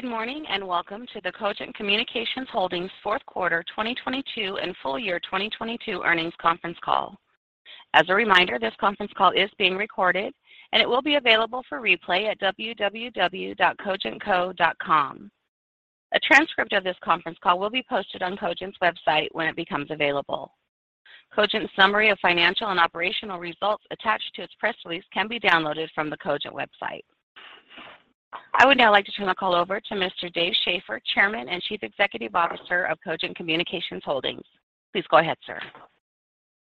Good morning, welcome to the Cogent Communications Holdings fourth quarter 2022 and full-year 2022 earnings conference call. As a reminder, this conference call is being recorded and it will be available for replay at www.cogentco.com. A transcript of this conference call will be posted on Cogent's website when it becomes available. Cogent's summary of financial and operational results attached to its press release can be downloaded from the Cogent website. I would now like to turn the call over to Mr. David Schaeffer, Chairman and Chief Executive Officer of Cogent Communications Holdings. Please go ahead, sir.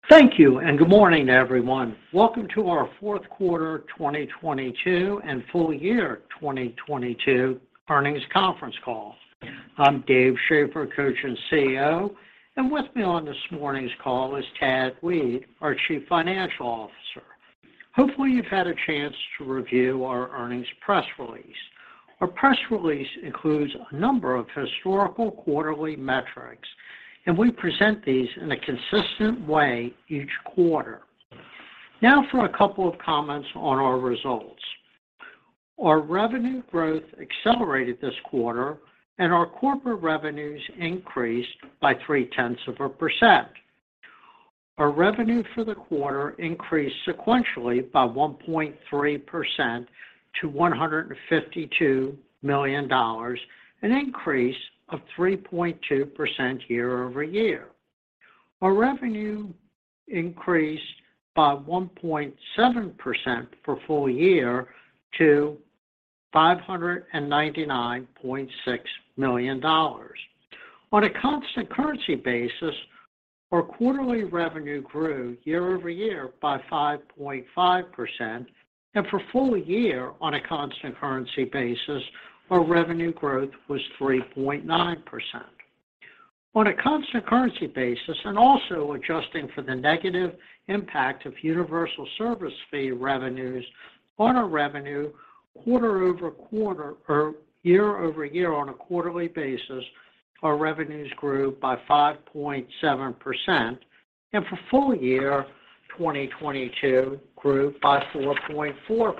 Thank you. Good morning, everyone. Welcome to our fourth quarter 2022 and full-year 2022 earnings conference call. I'm David Schaeffer, Cogent's CEO. With me on this morning's call is Thaddeus Weed, our Chief Financial Officer. Hopefully you've had a chance to review our earnings press release. Our press release includes a number of historical quarterly metrics. We present these in a consistent way each quarter. For a couple of comments on our results. Our revenue growth accelerated this quarter. Our corporate revenues increased by 0.3%. Our revenue for the quarter increased sequentially by 1.3% to $152 million, an increase of 3.2% year-over-year. Our revenue increased by 1.7% for full-year to $599.6 million. On a constant currency basis, our quarterly revenue grew year-over-year by 5.5%. For full-year on a constant currency basis, our revenue growth was 3.9%. On a constant currency basis, and also adjusting for the negative impact of Universal Service Fee revenues on our revenue quarter-over-quarter or year-over-year on a quarterly basis, our revenues grew by 5.7%, and for full-year 2022 grew by 4.4%.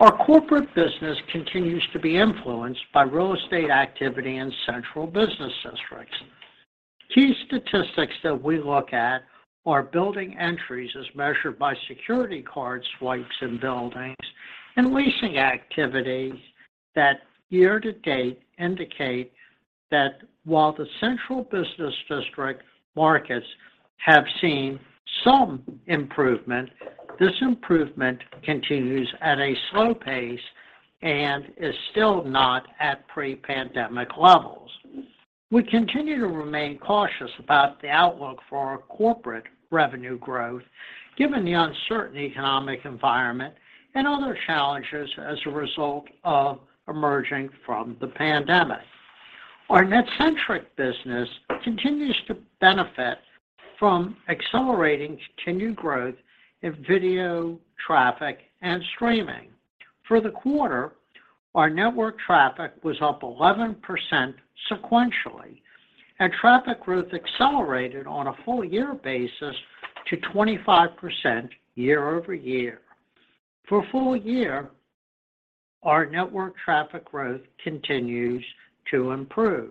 Our corporate business continues to be influenced by real estate activity in central business districts. Key statistics that we look at are building entries as measured by security card swipes in buildings and leasing activities that year-to-date indicate that while the central business district markets have seen some improvement, this improvement continues at a slow pace and is still not at pre-pandemic levels. We continue to remain cautious about the outlook for our corporate revenue growth given the uncertain economic environment and other challenges as a result of emerging from the pandemic. Our NetCentric business continues to benefit from accelerating continued growth in video traffic and streaming. For the quarter, our network traffic was up 11% sequentially. Traffic growth accelerated on a full-year basis to 25% year-over-year. For full-year, our network traffic growth continues to improve.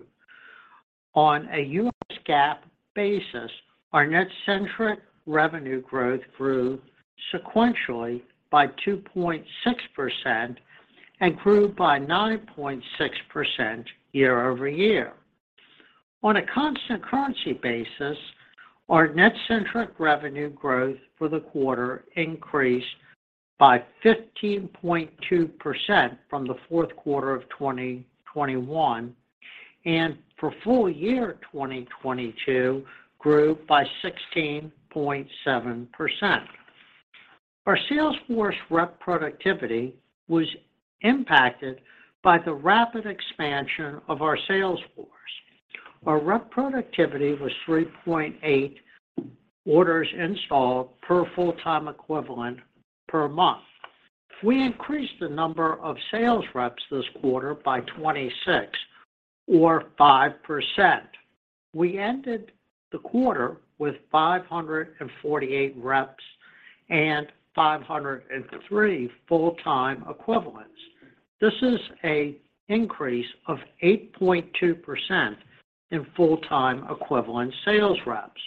On a U.S. GAAP basis, our NetCentric revenue growth grew sequentially by 2.6% and grew by 9.6% year-over-year. On a constant currency basis, our NetCentric revenue growth for the quarter increased by 15.2% from the fourth quarter of 2021, and for full-year 2022 grew by 16.7%. Our sales force rep productivity was impacted by the rapid expansion of our sales force. Our rep productivity was 3.8 orders installed per full-time equivalent per month. We increased the number of sales reps this quarter by 26 or 5%. We ended the quarter with 548 reps and 503 full-time equivalents. This is a increase of 8.2% in full-time equivalent sales reps.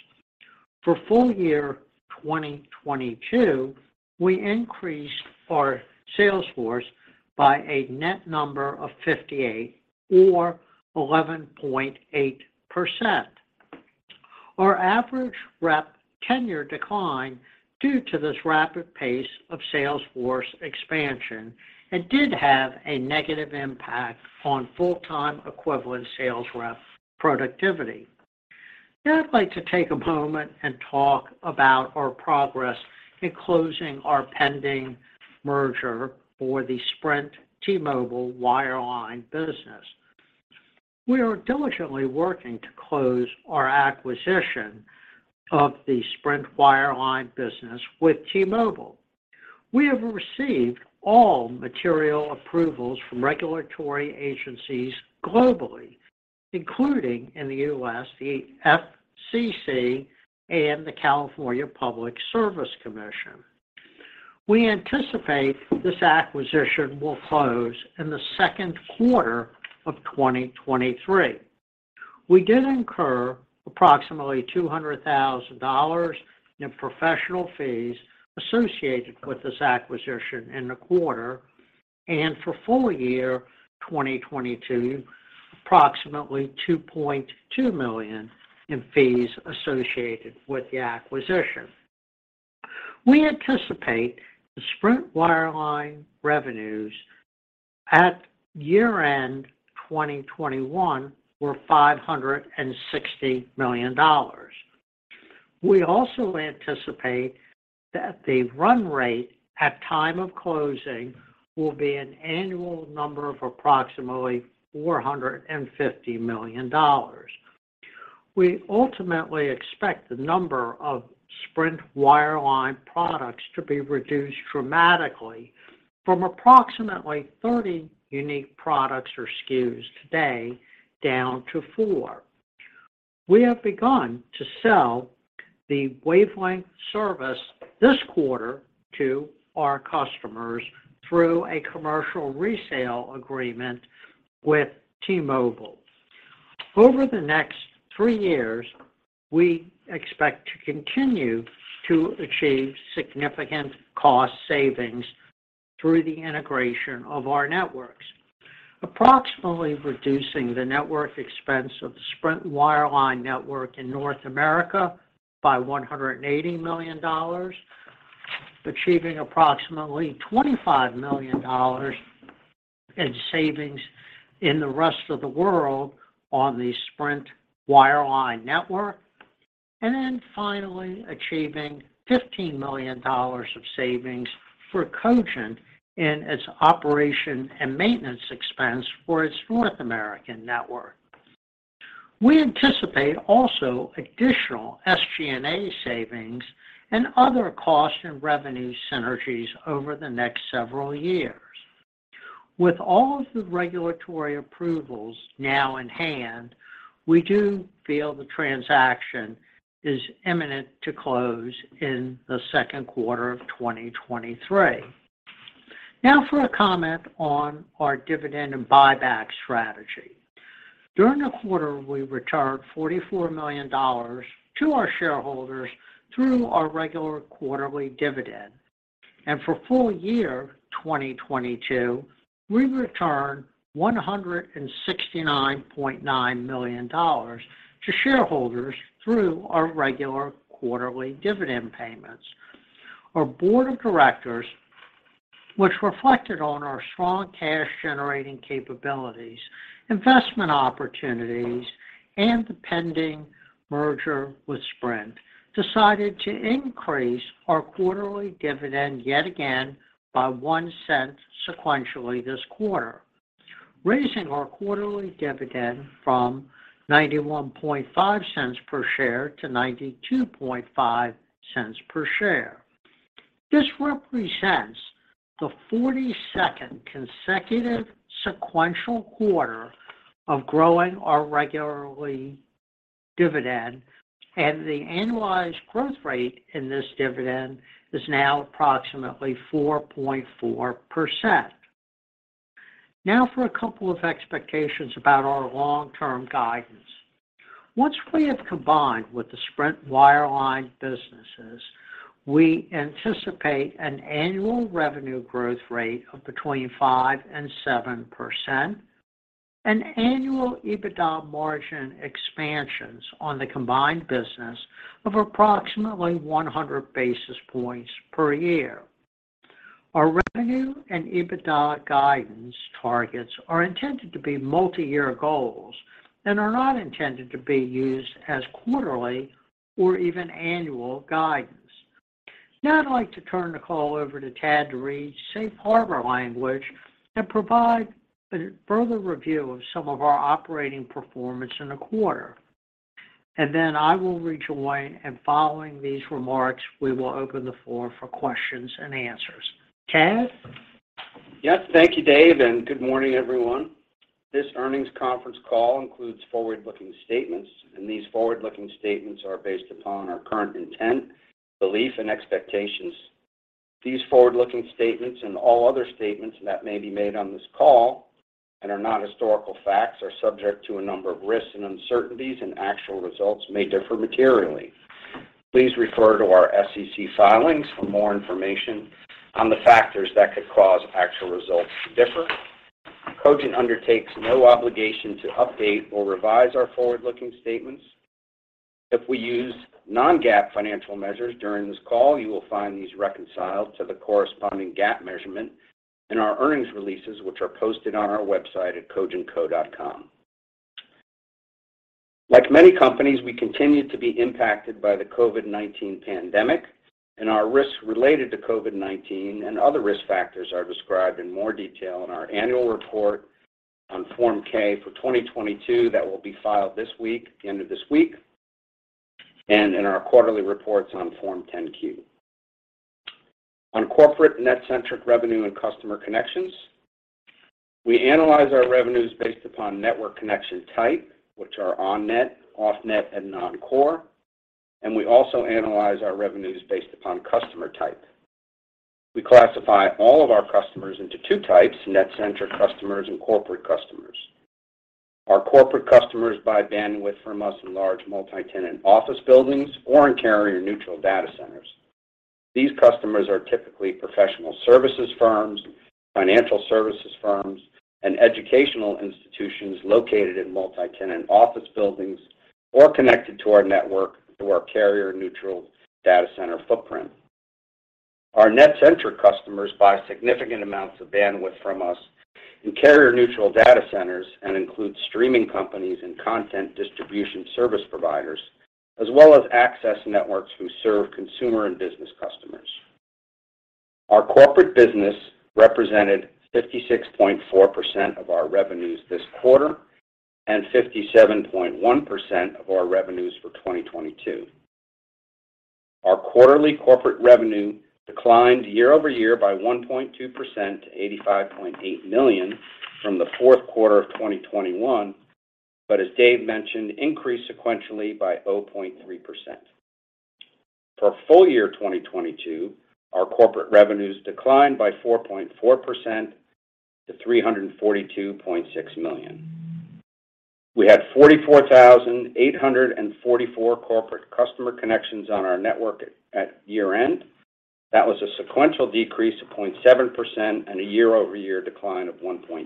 For full-year 2022, we increased our sales force by a net number of 58 or 11.8%. Our average rep tenure declined due to this rapid pace of sales force expansion and did have a negative impact on full-time equivalent sales rep productivity. I'd like to take a moment and talk about our progress in closing our pending merger for the Sprint T-Mobile wireline business. We are diligently working to close our acquisition of the Sprint wireline business with T-Mobile. We have received all material approvals from regulatory agencies globally, including in the U.S., the FCC and the California Public Utilities Commission. We anticipate this acquisition will close in the second quarter of 2023. We did incur approximately $200,000 in professional fees associated with this acquisition in the quarter, and for full-year 2022, approximately $2.2 million in fees associated with the acquisition. We anticipate the Sprint wireline revenues at year-end 2021 were $560 million. We also anticipate that the run rate at time of closing will be an annual number of approximately $450 million. We ultimately expect the number of Sprint wireline products to be reduced dramatically from approximately 30 unique products or SKUs today down to four. We have begun to sell the Wavelengths service this quarter to our customers through a commercial resale agreement with T-Mobile. Over the next three years, we expect to continue to achieve significant cost savings through the integration of our networks. Approximately reducing the network expense of the Sprint wireline network in North America by $180 million, achieving approximately $25 million in savings in the rest of the world on the Sprint wireline network, and then finally achieving $15 million of savings for Cogent in its operation and maintenance expense for its North American network. We anticipate also additional SG&A savings and other cost and revenue synergies over the next several years. With all of the regulatory approvals now in hand, we do feel the transaction is imminent to close in the second quarter of 2023. Now for a comment on our dividend and buyback strategy. During the quarter, we returned $44 million to our shareholders through our regular quarterly dividend. For full-year 2022, we returned $169.9 million to shareholders through our regular quarterly dividend payments. Our board of directors, which reflected on our strong cash generating capabilities, investment opportunities, and the pending merger with Sprint, decided to increase our quarterly dividend yet again by $0.01 sequentially this quarter, raising our quarterly dividend from $0.915 per share to $0.925 per share. This represents the 42nd consecutive sequential quarter of growing our regularly dividend, and the annualized growth rate in this dividend is now approximately 4.4%. Now for a couple of expectations about our long-term guidance. Once we have combined with the Sprint wireline businesses, we anticipate an annual revenue growth rate of between 5% and 7%, an annual EBITDA margin expansions on the combined business of approximately 100 basis points per year. Our revenue and EBITDA guidance targets are intended to be multi-year goals and are not intended to be used as quarterly or even annual guidance. I'd like to turn the call over to Tad to read safe harbor language and provide a further review of some of our operating performance in the quarter. I will rejoin, and following these remarks, we will open the floor for questions and answers. Tad? Yes. Thank you, Dave. Good morning, everyone. This earnings conference call includes forward-looking statements. These forward-looking statements are based upon our current intent, belief, and expectations. These forward-looking statements and all other statements that may be made on this call and are not historical facts are subject to a number of risks and uncertainties. Actual results may differ materially. Please refer to our SEC filings for more information on the factors that could cause actual results to differ. Cogent undertakes no obligation to update or revise our forward-looking statements. If we use non-GAAP financial measures during this call, you will find these reconciled to the corresponding GAAP measurement in our earnings releases, which are posted on our website at cogentco.com. Like many companies, we continue to be impacted by the COVID-19 pandemic. Our risks related to COVID-19 and other risk factors are described in more detail in our annual report on Form 10-K for 2022 that will be filed this week, the end of this week, and in our quarterly reports on Form 10-Q. On corporate NetCentric revenue and customer connections. We analyze our revenues based upon network connection type, which are on-net, off-net, and non-core. We also analyze our revenues based upon customer type. We classify all of our customers into two types: NetCentric customers and corporate customers. Our corporate customers buy bandwidth from us in large multi-tenant office buildings or in carrier-neutral data centers. These customers are typically professional services firms, financial services firms, and educational institutions located in multi-tenant office buildings or connected to our network through our carrier-neutral data center footprint. Our NetCentric customers buy significant amounts of bandwidth from us in carrier-neutral data centers and include streaming companies and content distribution service providers, as well as access networks who serve consumer and business customers. Our corporate business represented 56.4% of our revenues this quarter, and 57.1% of our revenues for 2022. Our quarterly corporate revenue declined year-over-year by 1.2% to $85.8 million from the fourth quarter of 2021. As Dave mentioned, increased sequentially by 0.3%. For full-year 2022, our corporate revenues declined by 4.4% to $342.6 million. We had 44,844 corporate customer connections on our network at year-end. That was a sequential decrease of 0.7% and a year-over-year decline of 1.3%.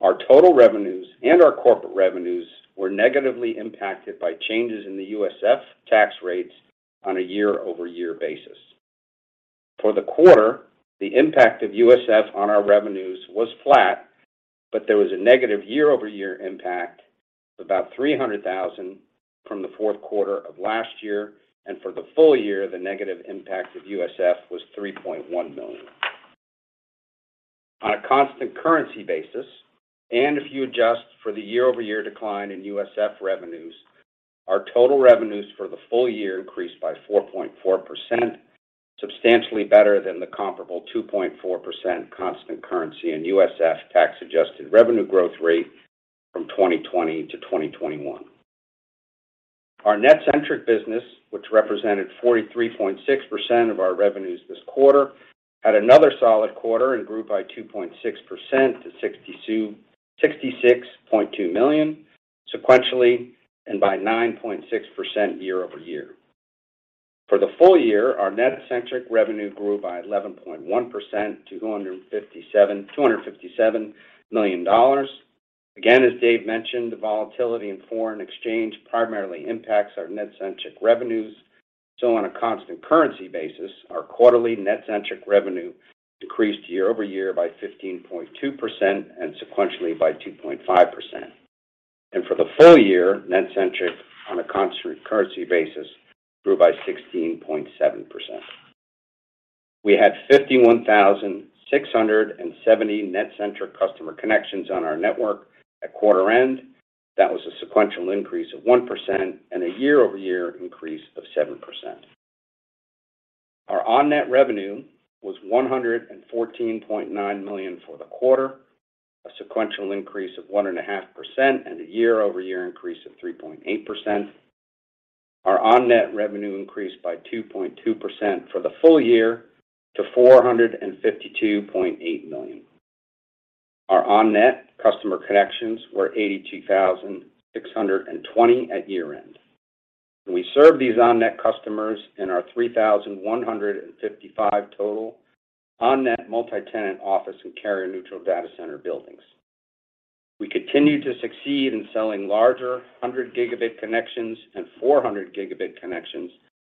Our total revenues and our corporate revenues were negatively impacted by changes in the USF tax rates on a year-over-year basis. For the quarter, the impact of USF on our revenues was flat, but there was a negative year-over-year impact of about $300,000 from the fourth quarter of last year. For the full-year, the negative impact of USF was $3.1 million. On a constant currency basis, and if you adjust for the year-over-year decline in USF revenues, our total revenues for the full-year increased by 4.4%, substantially better than the comparable 2.4% constant currency and USF tax-adjusted revenue growth rate from 2020 to 2021. Our NetCentric business, which represented 43.6% of our revenues this quarter, had another solid quarter and grew by 2.6% to $66.2 million sequentially and by 9.6% year-over-year. For the full-year, our NetCentric revenue grew by 11.1% to $257 million. Again, as Dave mentioned, the volatility in foreign exchange primarily impacts our NetCentric revenues. On a constant currency basis, our quarterly NetCentric revenue decreased year-over-year by 15.2% and sequentially by 2.5%. For the full-year, NetCentric on a constant currency basis grew by 16.7%. We had 51,670 NetCentric customer connections on our network at quarter-end. That was a sequential increase of 1% and a year-over-year increase of 7%. Our on-net revenue was $114.9 million for the quarter, a sequential increase of 1.5%, and a year-over-year increase of 3.8%. Our on-net revenue increased by 2.2% for the full-year to $452.8 million. Our on-net customer connections were 82,620 at year-end. We serve these on-net customers in our 3,155 total on-net multi-tenant office and carrier-neutral data center buildings. We continue to succeed in selling larger 100 Gb connections and 400 Gb connections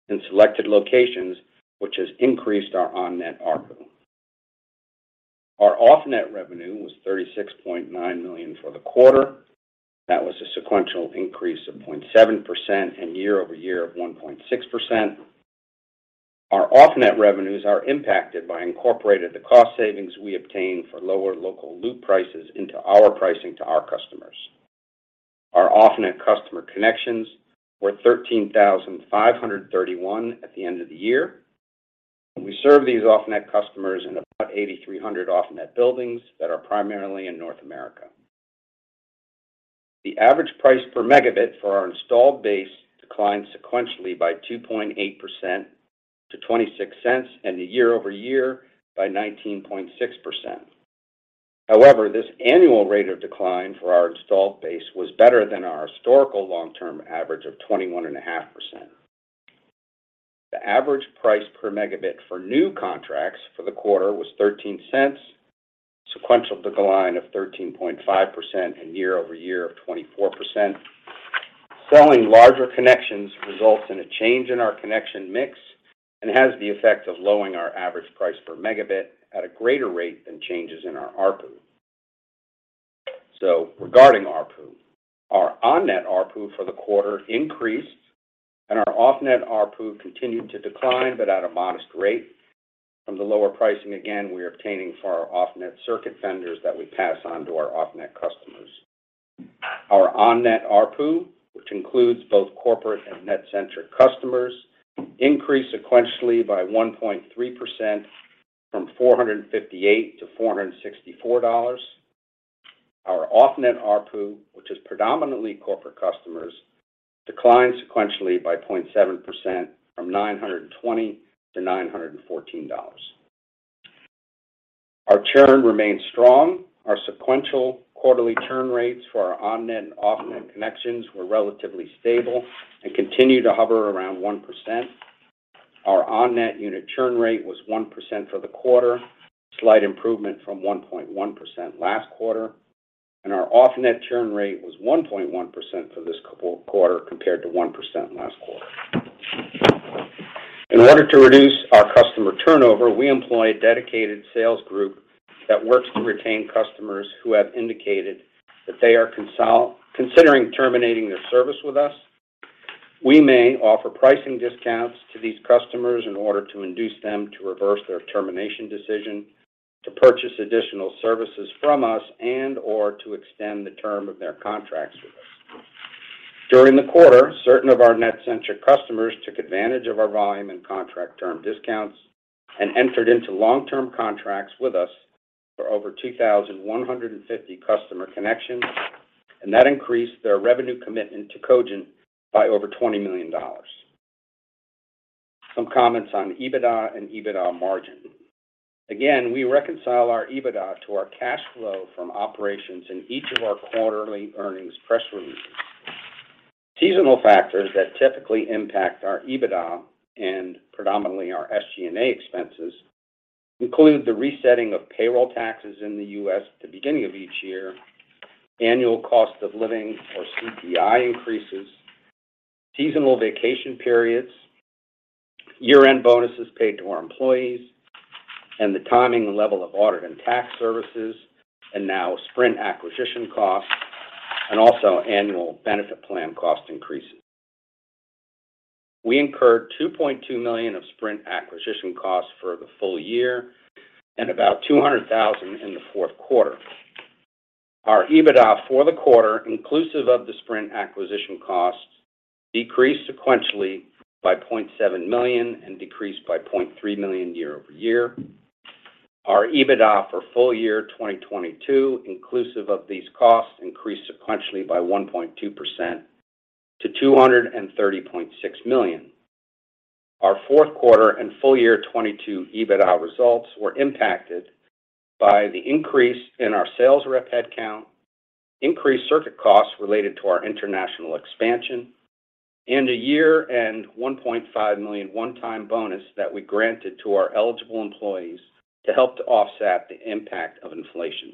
in selected locations, which has increased our on-net ARPU. Our off-net revenue was $36.9 million for the quarter. That was a sequential increase of 0.7% and year-over-year of 1.6%. Our off-net revenues are impacted by incorporated the cost savings we obtain for lower local loop prices into our pricing to our customers. Our off-net customer connections were 13,531 at the end of the year. We serve these off-net customers in about 8,300 off-net buildings that are primarily in North America. The average price per Mb for our installed base declined sequentially by 2.8% to $0.26 and the year-over-year by 19.6%. However, this annual rate of decline for our installed base was better than our historical long-term average of 21.5%. The average price per Mb for new contracts for the quarter was $0.13, sequential decline of 13.5% and year-over-year of 24%. Selling larger connections results in a change in our connection mix and has the effect of lowering our average price per Mb at a greater rate than changes in our ARPU. Regarding ARPU, our on-net ARPU for the quarter increased and our off-net ARPU continued to decline, but at a modest rate from the lower pricing again, we are obtaining for our off-net circuit vendors that we pass on to our off-net customers. Our on-net ARPU, which includes both corporate and NetCentric customers, increased sequentially by 1.3% from $458-$464. Our off-net ARPU, which is predominantly corporate customers, declined sequentially by 0.7% from $920-$914. Our churn remained strong. Our sequential quarterly churn rates for our on-net and off-net connections were relatively stable and continue to hover around 1%. Our on-net unit churn rate was 1% for the quarter, slight improvement from 1.1% last quarter. Our off-net churn rate was 1.1% for this quarter compared to 1% last quarter. In order to reduce our customer turnover, we employ a dedicated sales group that works to retain customers who have indicated that they are considering terminating their service with us. We may offer pricing discounts to these customers in order to induce them to reverse their termination decision, to purchase additional services from us, and/or to extend the term of their contracts with us. During the quarter, certain of our NetCentric customers took advantage of our volume and contract term discounts and entered into long-term contracts with us for over 2,150 customer connections, and that increased their revenue commitment to Cogent by over $20 million. Some comments on EBITDA and EBITDA margin. Again, we reconcile our EBITDA to our cash flow from operations in each of our quarterly earnings press releases. Seasonal factors that typically impact our EBITDA and predominantly our SG&A expenses include the resetting of payroll taxes in the U.S. at the beginning of each year, annual cost of living or CPI increases, seasonal vacation periods, year-end bonuses paid to our employees, and the timing and level of audit and tax services, and now Sprint acquisition costs, and also annual benefit plan cost increases. We incurred $2.2 million of Sprint acquisition costs for the full-year and about $200,000 in the fourth quarter. Our EBITDA for the quarter, inclusive of the Sprint acquisition costs, decreased sequentially by $0.7 million and decreased by $0.3 million year-over-year. Our EBITDA for full-year 2022, inclusive of these costs, increased sequentially by 1.2% to $230.6 million. Our fourth quarter and full-year 2022 EBITDA results were impacted by the increase in our sales rep headcount, increased circuit costs related to our international expansion, and a year-end $1.5 million one-time bonus that we granted to our eligible employees to help to offset the impact of inflation.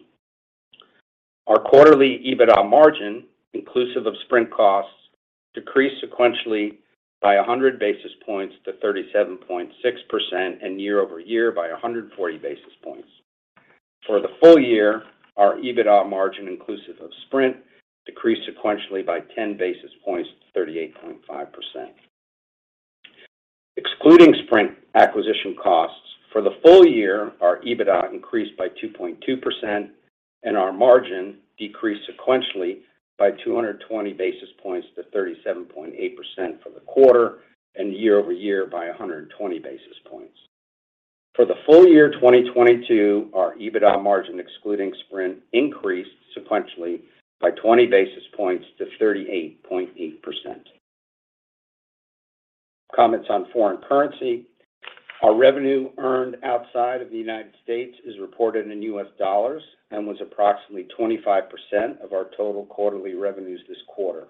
Our quarterly EBITDA margin, inclusive of Sprint costs, decreased sequentially by 100 basis points to 37.6% and year-over-year by 140 basis points. For the full-year, our EBITDA margin inclusive of Sprint decreased sequentially by 10 basis points to 38.5%. Excluding Sprint acquisition costs, for the full-year, our EBITDA increased by 2.2%, and our margin decreased sequentially by 220 basis points to 37.8% for the quarter and year-over-year by 120 basis points. For the full-year 2022, our EBITDA margin excluding Sprint increased sequentially by 20 basis points to 38.8%. Comments on foreign currency. Our revenue earned outside of the United States is reported in US dollars and was approximately 25% of our total quarterly revenues this quarter.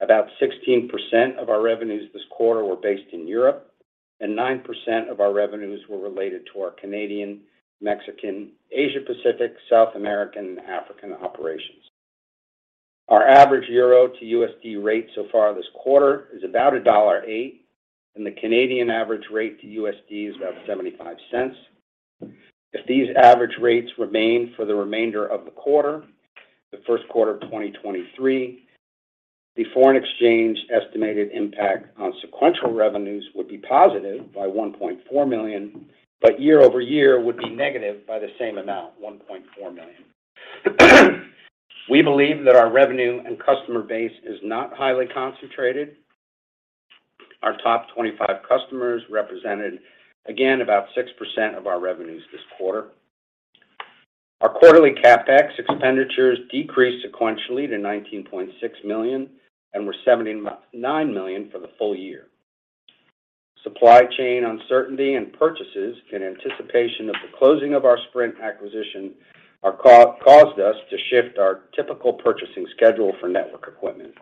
About 16% of our revenues this quarter were based in Europe, and 9% of our revenues were related to our Canadian, Mexican, Asia Pacific, South American, and African operations. Our average EUR to USD rate so far this quarter is about $1.08, and the Canadian average rate to USD is about $0.75. If these average rates remain for the remainder of the quarter, the first quarter of 2023, the foreign exchange estimated impact on sequential revenues would be positive by $1.4 million. Year-over-year would be negative by the same amount, $1.4 million. We believe that our revenue and customer base is not highly concentrated. Our top 25 customers represented again about 6% of our revenues this quarter. Our quarterly CapEx expenditures decreased sequentially to $19.6 million and were $79 million for the full-year. Supply chain uncertainty and purchases in anticipation of the closing of our Sprint acquisition caused us to shift our typical purchasing schedule for network equipment.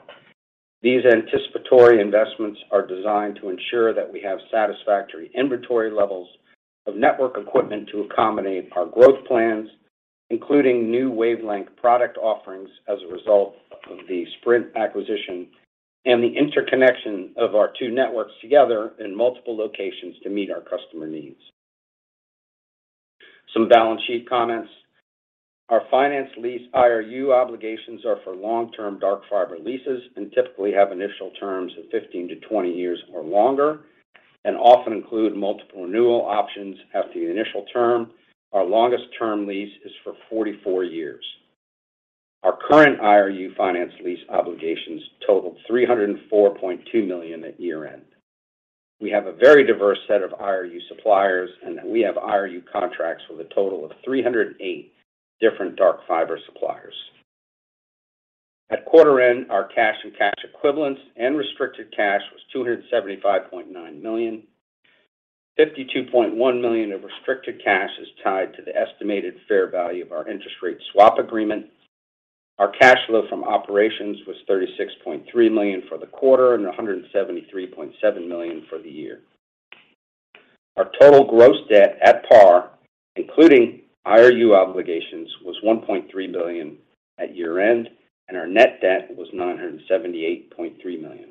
These anticipatory investments are designed to ensure that we have satisfactory inventory levels of network equipment to accommodate our growth plans, including new Wavelengths product offerings as a result of the Sprint acquisition and the interconnection of our two networks together in multiple locations to meet our customer needs. Some balance sheet comments. Our finance lease IRU obligations are for long-term dark fiber leases and typically have initial terms of 15-20 years or longer. Often include multiple renewal options after the initial term. Our longest term lease is for 44 years. Our current IRU finance lease obligations totaled $304.2 million at year-end. We have a very diverse set of IRU suppliers, and we have IRU contracts with a total of 308 different dark fiber suppliers. At quarter end, our cash and cash equivalents and restricted cash was $275.9 million. $52.1 million of restricted cash is tied to the estimated fair value of our interest rate swap agreement. Our cash flow from operations was $36.3 million for the quarter and $173.7 million for the year. Our total gross debt at par, including IRU obligations, was $1.3 billion at year-end, and our net debt was $978.3 million.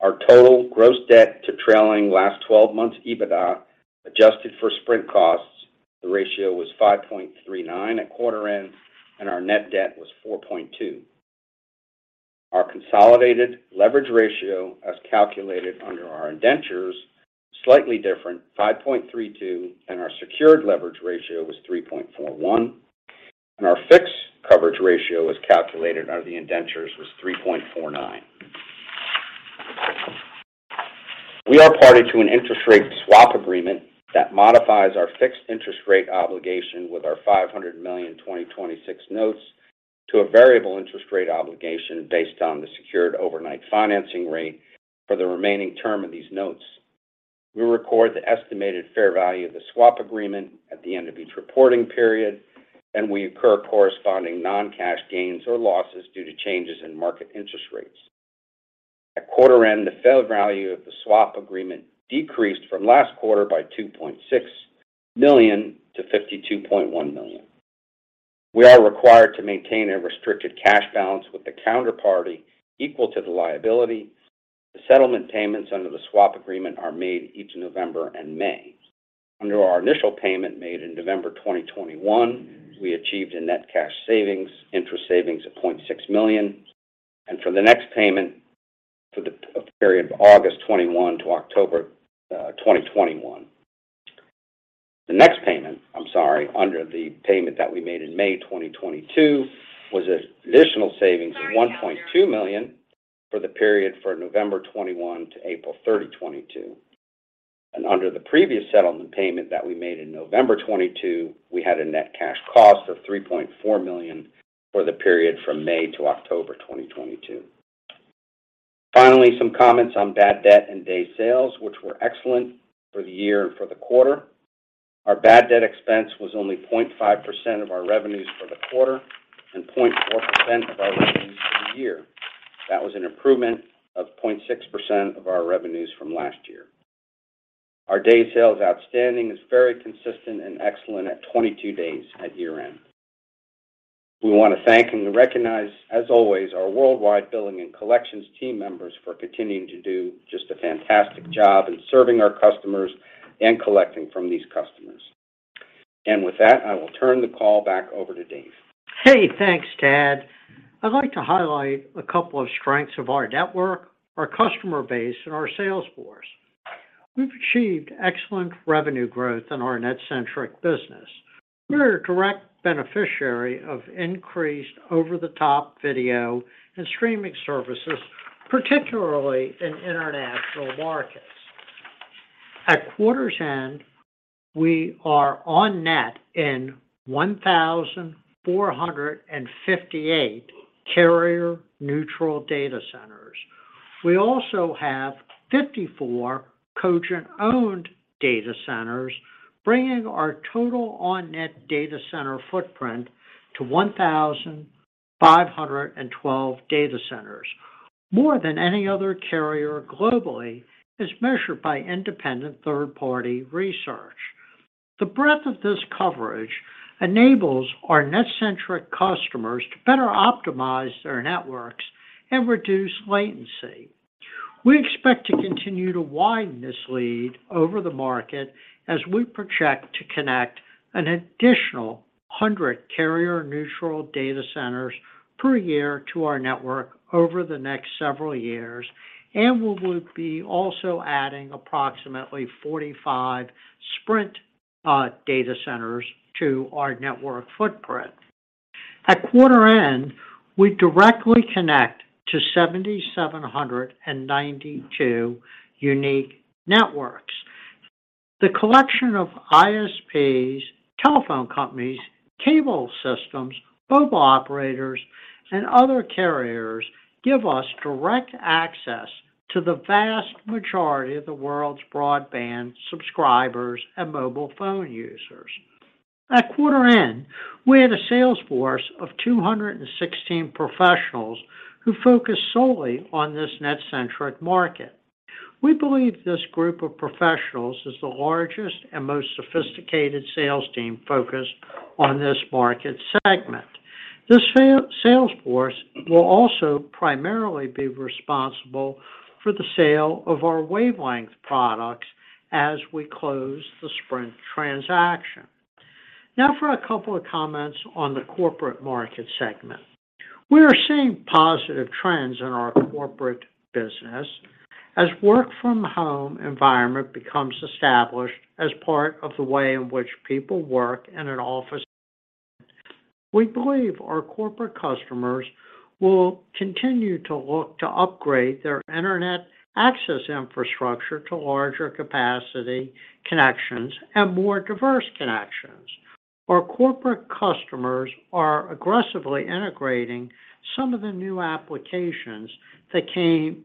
Our total gross debt to trailing last 12 months EBITDA, adjusted for Sprint costs, the ratio was 5.39 at quarter end, and our net debt was 4.2. Our consolidated leverage ratio, as calculated under our indentures, slightly different, 5.32, and our secured leverage ratio was 3.41. Our fixed coverage ratio, as calculated under the indentures, was 3.49. We are party to an interest rate swap agreement that modifies our fixed interest rate obligation with our $500 million 2026 notes to a variable interest rate obligation based on the Secured Overnight Financing Rate for the remaining term of these notes. We record the estimated fair value of the swap agreement at the end of each reporting period, and we incur corresponding non-cash gains or losses due to changes in market interest rates. At quarter end, the fair value of the swap agreement decreased from last quarter by $2.6 million to $52.1 million. We are required to maintain a restricted cash balance with the counterparty equal to the liability. The settlement payments under the swap agreement are made each November and May. Under our initial payment made in November 2021, we achieved a net cash savings, interest savings of $0.6 million. For the next payment for the period of August 2021 to October 2021. The next payment, I'm sorry, under the payment that we made in May 2022, was an additional savings of $1.2 million for the period for November 2021 to April 30, 2022. Under the previous settlement payment that we made in November 2022, we had a net cash cost of $3.4 million for the period from May to October 2022. Finally, some comments on bad debt and day sales, which were excellent for the year and for the quarter. Our bad debt expense was only 0.5% of our revenues for the quarter and 0.4% of our revenues for the year. That was an improvement of 0.6% of our revenues from last year. Our day sales outstanding is very consistent and excellent at 22 days at year end. We want to thank and recognize, as always, our worldwide billing and collections team members for continuing to do just a fantastic job in serving our customers and collecting from these customers. With that, I will turn the call back over to Dave. Hey, thanks, Tad. I'd like to highlight a couple of strengths of our network, our customer base, and our sales force. We've achieved excellent revenue growth in our NetCentric business. We're a direct beneficiary of increased over-the-top video and streaming services, particularly in international markets. At quarter's end, we are on net in 1,458 carrier neutral data centers. We also have 54 Cogent owned data centers, bringing our total on net data center footprint to 1,512 data centers. More than any other carrier globally is measured by independent third-party research. The breadth of this coverage enables our NetCentric customers to better optimize their networks and reduce latency. We expect to continue to widen this lead over the market as we project to connect an additional 100 carrier neutral data centers per year to our network over the next several years. We will be also adding approximately 45 Sprint data centers to our network footprint. At quarter end, we directly connect to 7,792 unique networks. The collection of ISPs, telephone companies, cable systems, mobile operators, and other carriers give us direct access to the vast majority of the world's broadband subscribers and mobile phone users. At quarter end, we had a sales force of 216 professionals who focus solely on this NetCentric market. We believe this group of professionals is the largest and most sophisticated sales team focused on this market segment. This sales force will also primarily be responsible for the sale of our Wavelengths products as we close the Sprint transaction. For a couple of comments on the corporate market segment. We are seeing positive trends in our corporate business as work from home environment becomes established as part of the way in which people work in an office. We believe our corporate customers will continue to look to upgrade their internet access infrastructure to larger capacity connections and more diverse connections. Our corporate customers are aggressively integrating some of the new applications that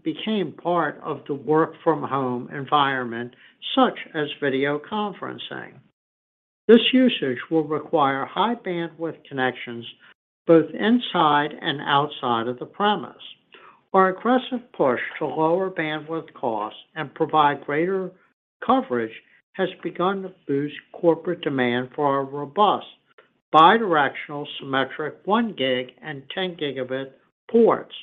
became part of the work from home environment, such as video conferencing. This usage will require high bandwidth connections both inside and outside of the premise. Our aggressive push to lower bandwidth costs and provide greater coverage has begun to boost corporate demand for our robust bi-directional symmetric 1 gig and 10 Gb ports.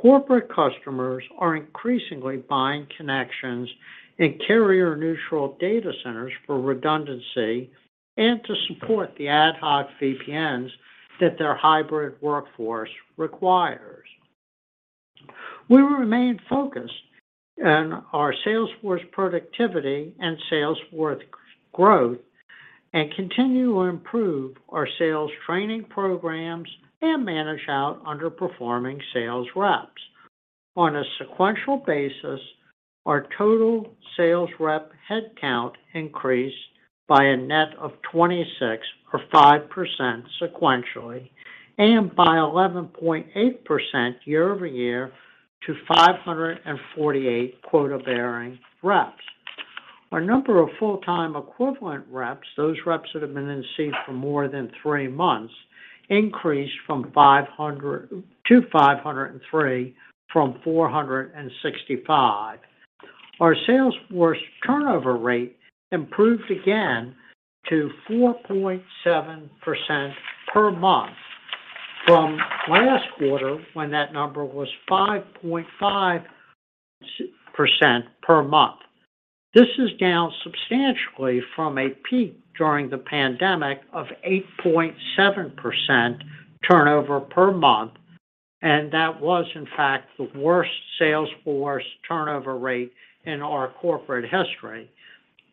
Corporate customers are increasingly buying connections in carrier neutral data centers for redundancy and to support the ad hoc VPNs that their hybrid workforce requires. We remain focused on our sales force productivity and sales worth growth, and continue to improve our sales training programs and manage out underperforming sales reps. On a sequential basis, our total sales rep headcount increased by a net of 26 or 5% sequentially, and by 11.8% year-over-year to 548 quota bearing reps. Our number of full-time equivalent reps, those reps that have been in seat for more than three months, increased from 500-503 from 465. Our sales force turnover rate improved again to 4.7% per month from last quarter, when that number was 5.5% per month. This is down substantially from a peak during the pandemic of 8.7% turnover per month, and that was in fact the worst sales force turnover rate in our corporate history.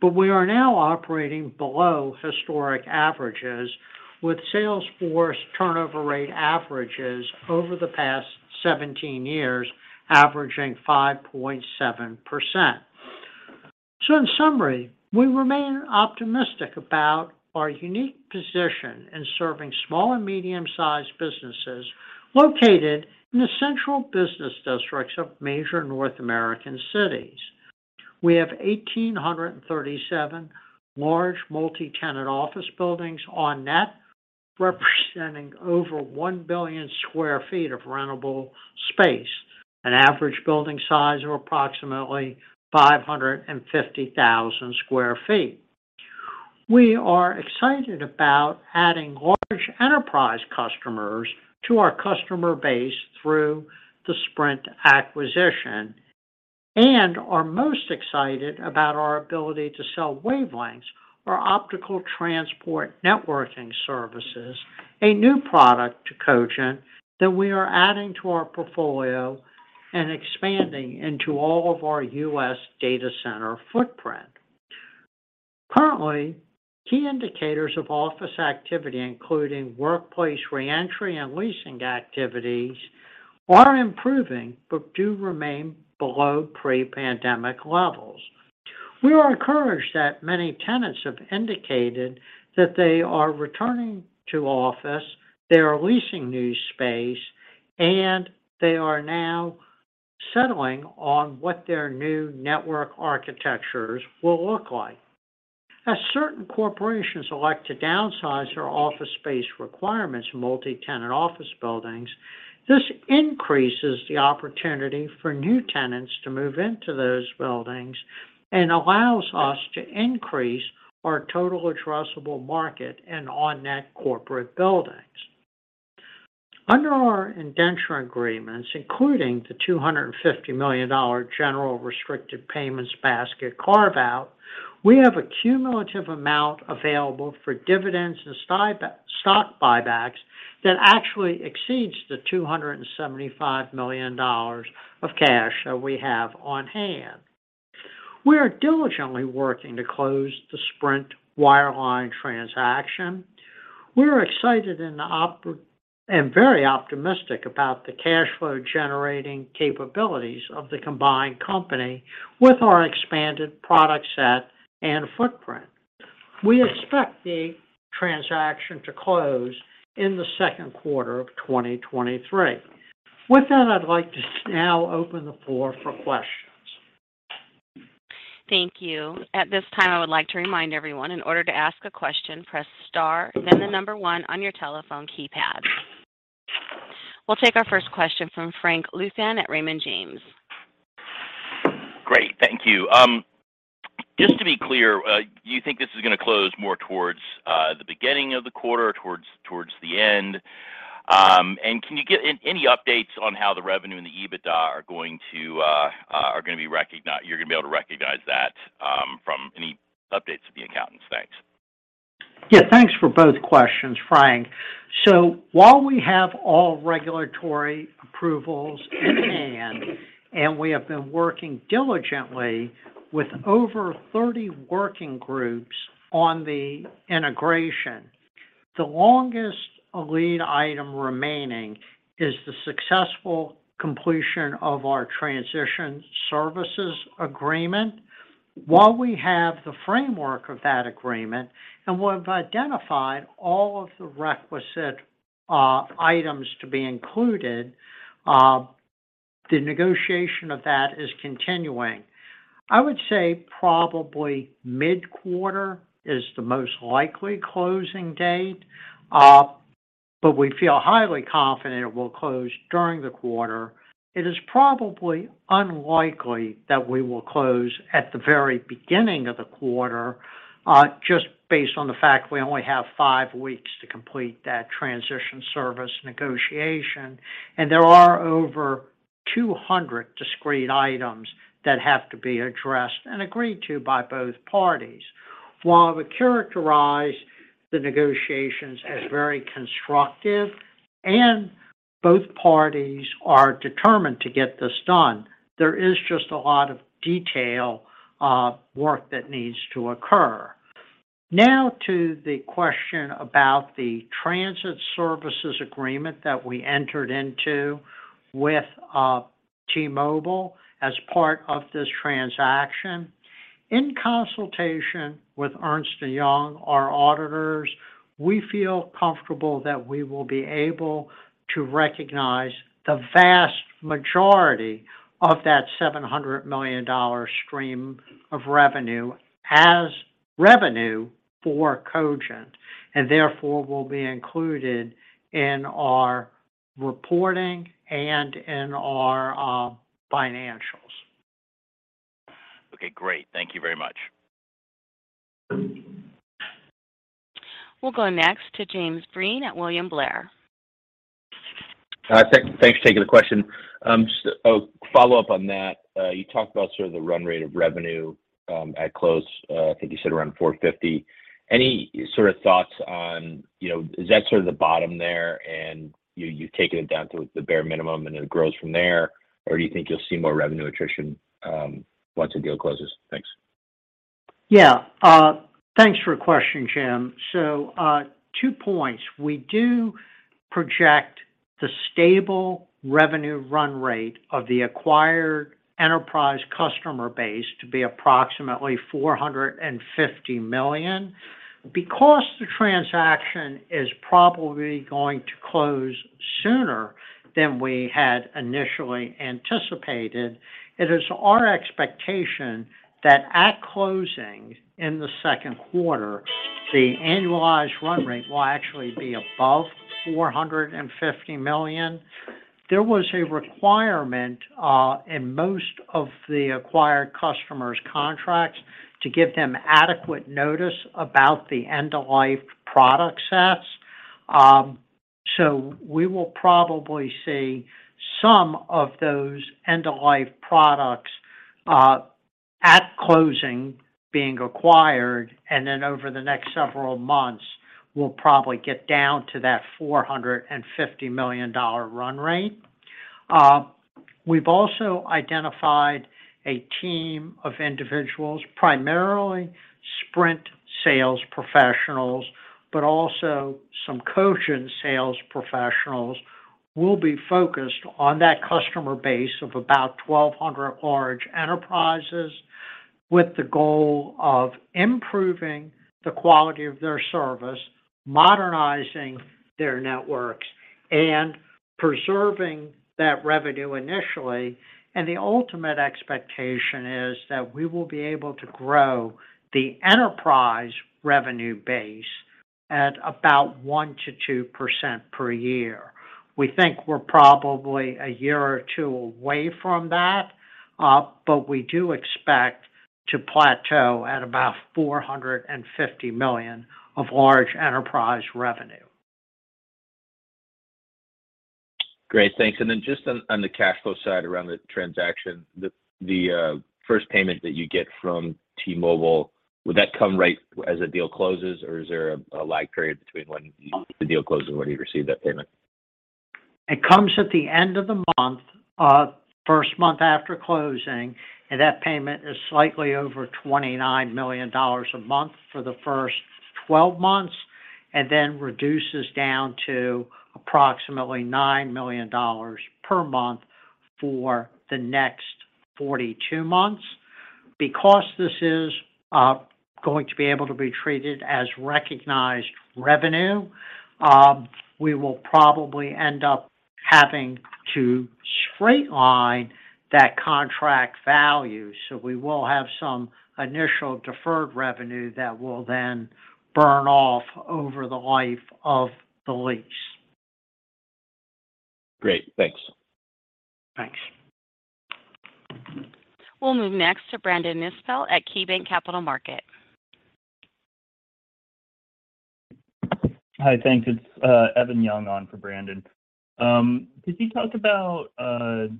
We are now operating below historic averages, with sales force turnover rate averages over the past 17 years averaging 5.7%. In summary, we remain optimistic about our unique position in serving small and medium sized businesses located in the central business districts of major North American cities. We have 1,837 large multi-tenant office buildings on net, representing over 1 billion sq ft of rentable space, an average building size of approximately 550,000 sq ft. We are excited about adding large enterprise customers to our customer base through the Sprint acquisition and are most excited about our ability to sell Wavelengths or Optical Transport Network services, a new product to Cogent that we are adding to our portfolio and expanding into all of our U.S. data center footprint. Currently, key indicators of office activity, including workplace reentry and leasing activities, are improving but do remain below pre-pandemic levels. We are encouraged that many tenants have indicated that they are returning to office, they are leasing new space, and they are now settling on what their new network architectures will look like. As certain corporations elect to downsize their office space requirements in multi-tenant office buildings, this increases the opportunity for new tenants to move into those buildings and allows us to increase our total addressable market in on net corporate buildings. Under our indenture agreements, including the $250 million general restricted payments basket carve-out, we have a cumulative amount available for dividends and stock buybacks that actually exceeds the $275 million of cash that we have on hand. We are diligently working to close the Sprint wireline transaction. We are excited and very optimistic about the cash flow generating capabilities of the combined company with our expanded product set and footprint. We expect the transaction to close in the second quarter of 2023. With that, I'd like to now open the floor for questions. Thank you. At this time, I would like to remind everyone, in order to ask a question, press star then the number one on your telephone keypad. We'll take our first question from Frank Louthan at Raymond James. Great. Thank you. Just to be clear, do you think this is going to close more towards the beginning of the quarter or towards the end? Can you give any updates on how the revenue and the EBITDA are going to be able to recognize that from any updates from the accountants? Thanks. Yeah, thanks for both questions, Frank. While we have all regulatory approvals in hand, and we have been working diligently with over 30 working groups on the integration, the longest lead item remaining is the successful completion of our transition services agreement. While we have the framework of that agreement, and we've identified all of the requisite items to be included, the negotiation of that is continuing. I would say probably mid-quarter is the most likely closing date, but we feel highly confident it will close during the quarter. It is probably unlikely that we will close at the very beginning of the quarter, just based on the fact we only have five weeks to complete that transition service negotiation, and there are over 200 discrete items that have to be addressed and agreed to by both parties. While we characterize the negotiations as very constructive and both parties are determined to get this done, there is just a lot of detail, work that needs to occur. Now to the question about the transit services agreement that we entered into with T-Mobile as part of this transaction. In consultation with Ernst & Young, our auditors, we feel comfortable that we will be able to recognize the vast majority of that $700 million stream of revenue as revenue for Cogent, and therefore, will be included in our reporting and in our financials. Okay, great. Thank you very much. We'll go next to James Breen at William Blair. Thanks for taking the question. Just a follow-up on that. You talked about sort of the run rate of revenue, at close, I think you said around $450. Any sort of thoughts on, you know, is that sort of the bottom there and you've taken it down to the bare minimum, and it grows from there, or do you think you'll see more revenue attrition once the deal closes? Thanks. Thanks for your question, Jim. Two points. We do project the stable revenue run rate of the acquired enterprise customer base to be approximately $450 million. Because the transaction is probably going to close sooner than we had initially anticipated, it is our expectation that at closing in the second quarter, the annualized run rate will actually be above $450 million. There was a requirement in most of the acquired customers' contracts to give them adequate notice about the end-of-life product sets. We will probably see some of those end-of-life products at closing being acquired, and then over the next several months, we'll probably get down to that $450 million run rate. We've also identified a team of individuals, primarily Sprint sales professionals, but also some Cogent sales professionals will be focused on that customer base of about 1,200 large enterprises with the goal of improving the quality of their service, modernizing their networks, and preserving that revenue initially. The ultimate expectation is that we will be able to grow the enterprise revenue base at about 1%-2% per year. We think we're probably a year or two away from that, but we do expect to plateau at about $450 million of large enterprise revenue. Great. Thanks. Just on the cash flow side around the transaction, the first payment that you get from T-Mobile, would that come right as the deal closes, or is there a lag period between when the deal closes and when you receive that payment? It comes at the end of the month, first month after closing, and that payment is slightly over $29 million a month for the first 12 months, and then reduces down to approximately $9 million per month for the next 42 months. Because this is going to be able to be treated as recognized revenue, we will probably end up having to straight line that contract value. We will have some initial deferred revenue that will then burn off over the life of the lease. Great. Thanks. We'll move next to Brandon Nispel at KeyBanc Capital Markets. Hi, thanks. It's Evan Young on for Brandon. Could you talk about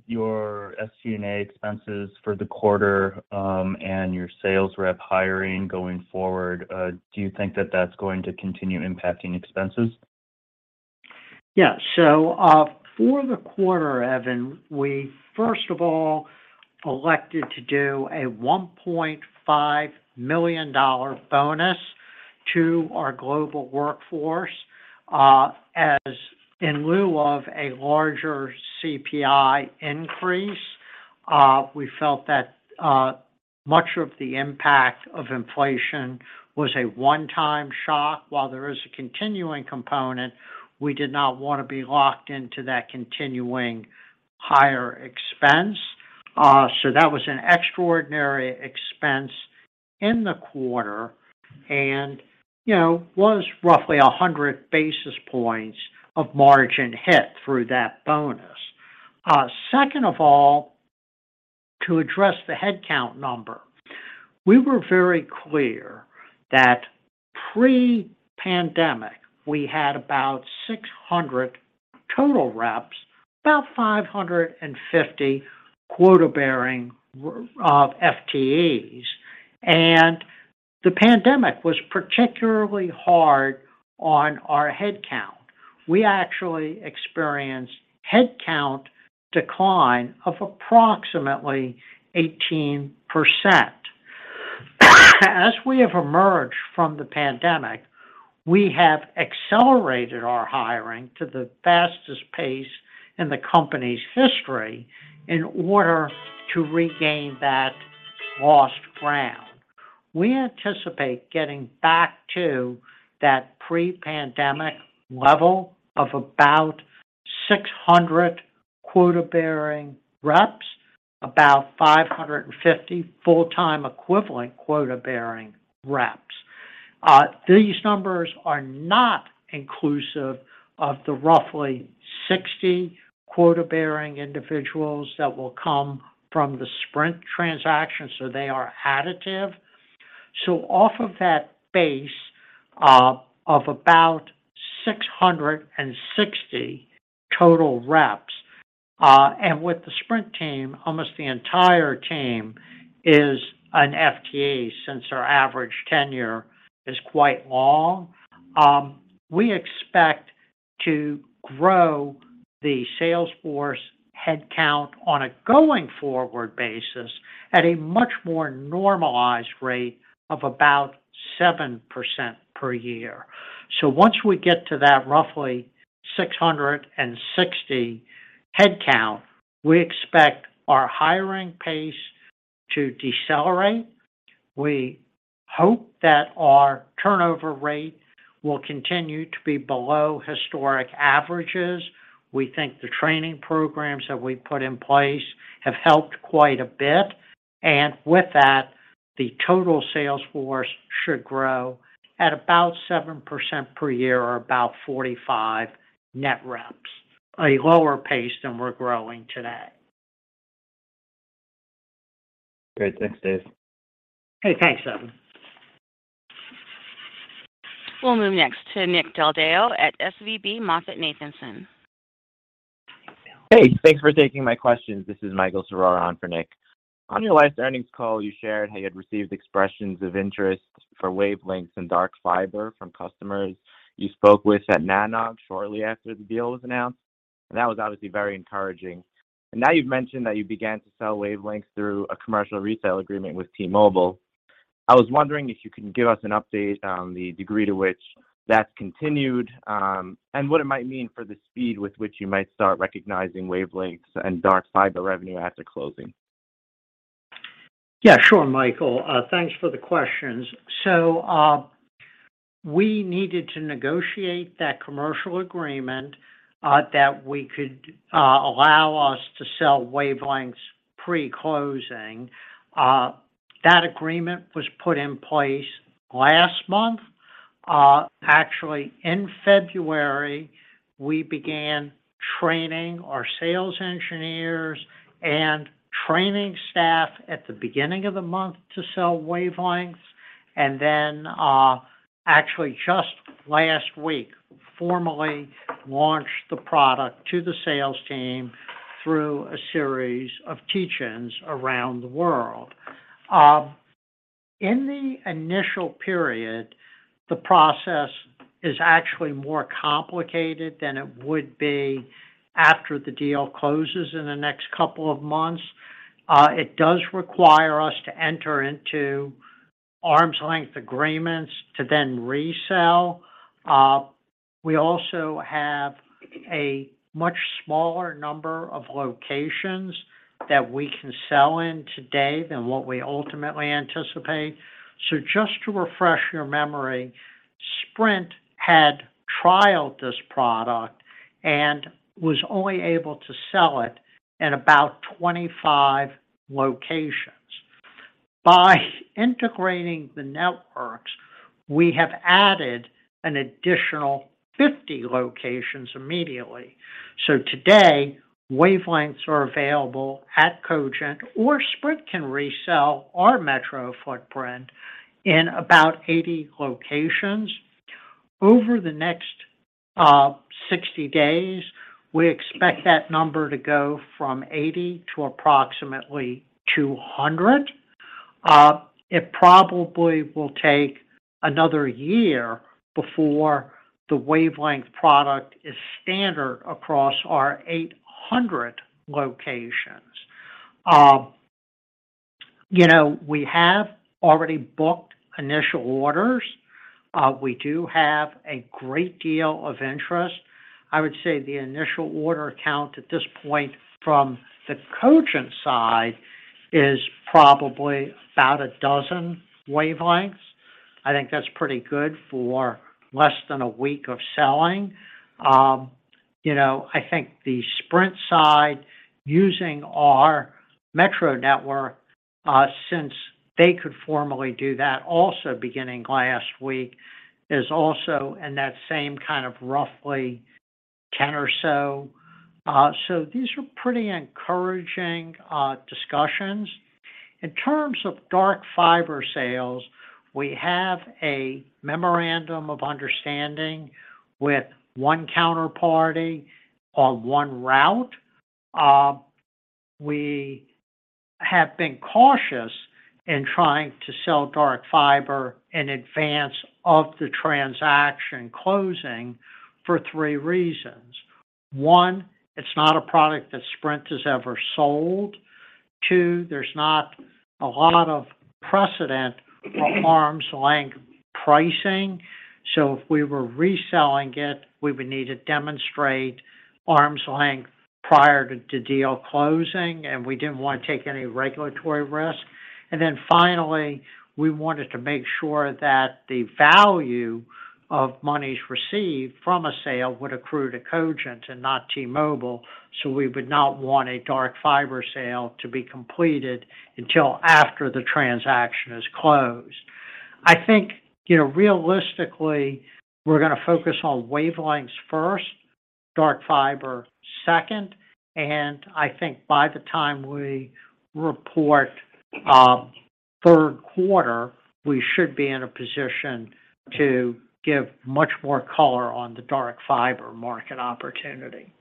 your SG&A expenses for the quarter, and your sales rep hiring going forward? Do you think that that's going to continue impacting expenses? For the quarter, Evan, we first of all elected to do a $1.5 million bonus to our global workforce as in lieu of a larger CPI increase. We felt that much of the impact of inflation was a one-time shock. While there is a continuing component, we did not wanna be locked into that continuing higher expense. That was an extraordinary expense in the quarter and, you know, was roughly 100 basis points of margin hit through that bonus. Second of all, to address the headcount number. We were very clear that pre-pandemic, we had about 600 total reps, about 550 quota-bearing FTEs. The pandemic was particularly hard on our headcount. We actually experienced headcount decline of approximately 18%. As we have emerged from the pandemic, we have accelerated our hiring to the fastest pace in the company's history in order to regain that lost ground. We anticipate getting back to that pre-pandemic level of about 600 quota-bearing reps, about 550 full-time equivalent quota-bearing reps. These numbers are not inclusive of the roughly 60 quota-bearing individuals that will come from the Sprint transaction, so they are additive. Off of that base, of about 660 total reps, and with the Sprint team, almost the entire team is an FTE since our average tenure is quite long. We expect to grow the sales force headcount on a going forward basis at a much more normalized rate of about 7% per year. Once we get to that roughly 660 headcount, we expect our hiring pace to decelerate. We hope that our turnover rate will continue to be below historic averages. We think the training programs that we've put in place have helped quite a bit. With that, the total sales force should grow at about 7% per year or about 45 net reps. A lower pace than we're growing today. Great. Thanks, Dave. Okay, thanks, Evan. We'll move next to Nick Del Deo at SVB MoffettNathanson. Hey, thanks for taking my questions. This is Michael Srour on for Nick. On your last earnings call, you shared how you had received expressions of interest for Wavelengths and dark fiber from customers you spoke with at NANOG shortly after the deal was announced, and that was obviously very encouraging. Now you've mentioned that you began to sell Wavelengths through a commercial resale agreement with T-Mobile. I was wondering if you can give us an update on the degree to which that's continued, and what it might mean for the speed with which you might start recognizing Wavelengths and dark fiber revenue after closing. Yeah, sure, Michael. Thanks for the questions. We needed to negotiate that commercial agreement, that we could, allow us to sell Wavelengths pre-closing. That agreement was put in place last month. Actually, in February, we began training our sales engineers and training staff at the beginning of the month to sell Wavelengths. Actually just last week, formally launched the product to the sales team through a series of teach-ins around the world. In the initial period, the process is actually more complicated than it would be after the deal closes in the next couple of months. It does require us to enter into arm's length agreements to then resell. We also have a much smaller number of locations that we can sell in today than what we ultimately anticipate. Just to refresh your memory, Sprint had trialed this product and was only able to sell it in about 25 locations. By integrating the networks, we have added an additional 50 locations immediately. Today, Wavelengths are available at Cogent, or Sprint can resell our metro footprint in about 80 locations. Over the next 60 days, we expect that number to go from 80 to approximately 200. It probably will take another year before the Wavelengths product is standard across our 800 locations. You know, we have already booked initial orders. We do have a great deal of interest. I would say the initial order count at this point from the Cogent side is probably about 12 Wavelengths. I think that's pretty good for less than a week of selling. You know, I think the Sprint side, using our metro network, since they could formally do that also beginning last week, is also in that same kind of roughly 10 or so. These are pretty encouraging discussions. In terms of dark fiber sales, we have a memorandum of understanding with one counterparty on one route. We have been cautious in trying to sell dark fiber in advance of the transaction closing for three reasons. One, it's not a product that Sprint has ever sold. Two, there's not a lot of precedent for arm's length pricing. If we were reselling it, we would need to demonstrate arm's length prior to deal closing, and we didn't want to take any regulatory risk. Finally, we wanted to make sure that the value of monies received from a sale would accrue to Cogent and not T-Mobile, we would not want a dark fiber sale to be completed until after the transaction is closed. I think, you know, realistically, we're gonna focus on Wavelengths first, dark fiber second, I think by the time we report, third quarter, we should be in a position to give much more color on the dark fiber market opportunity.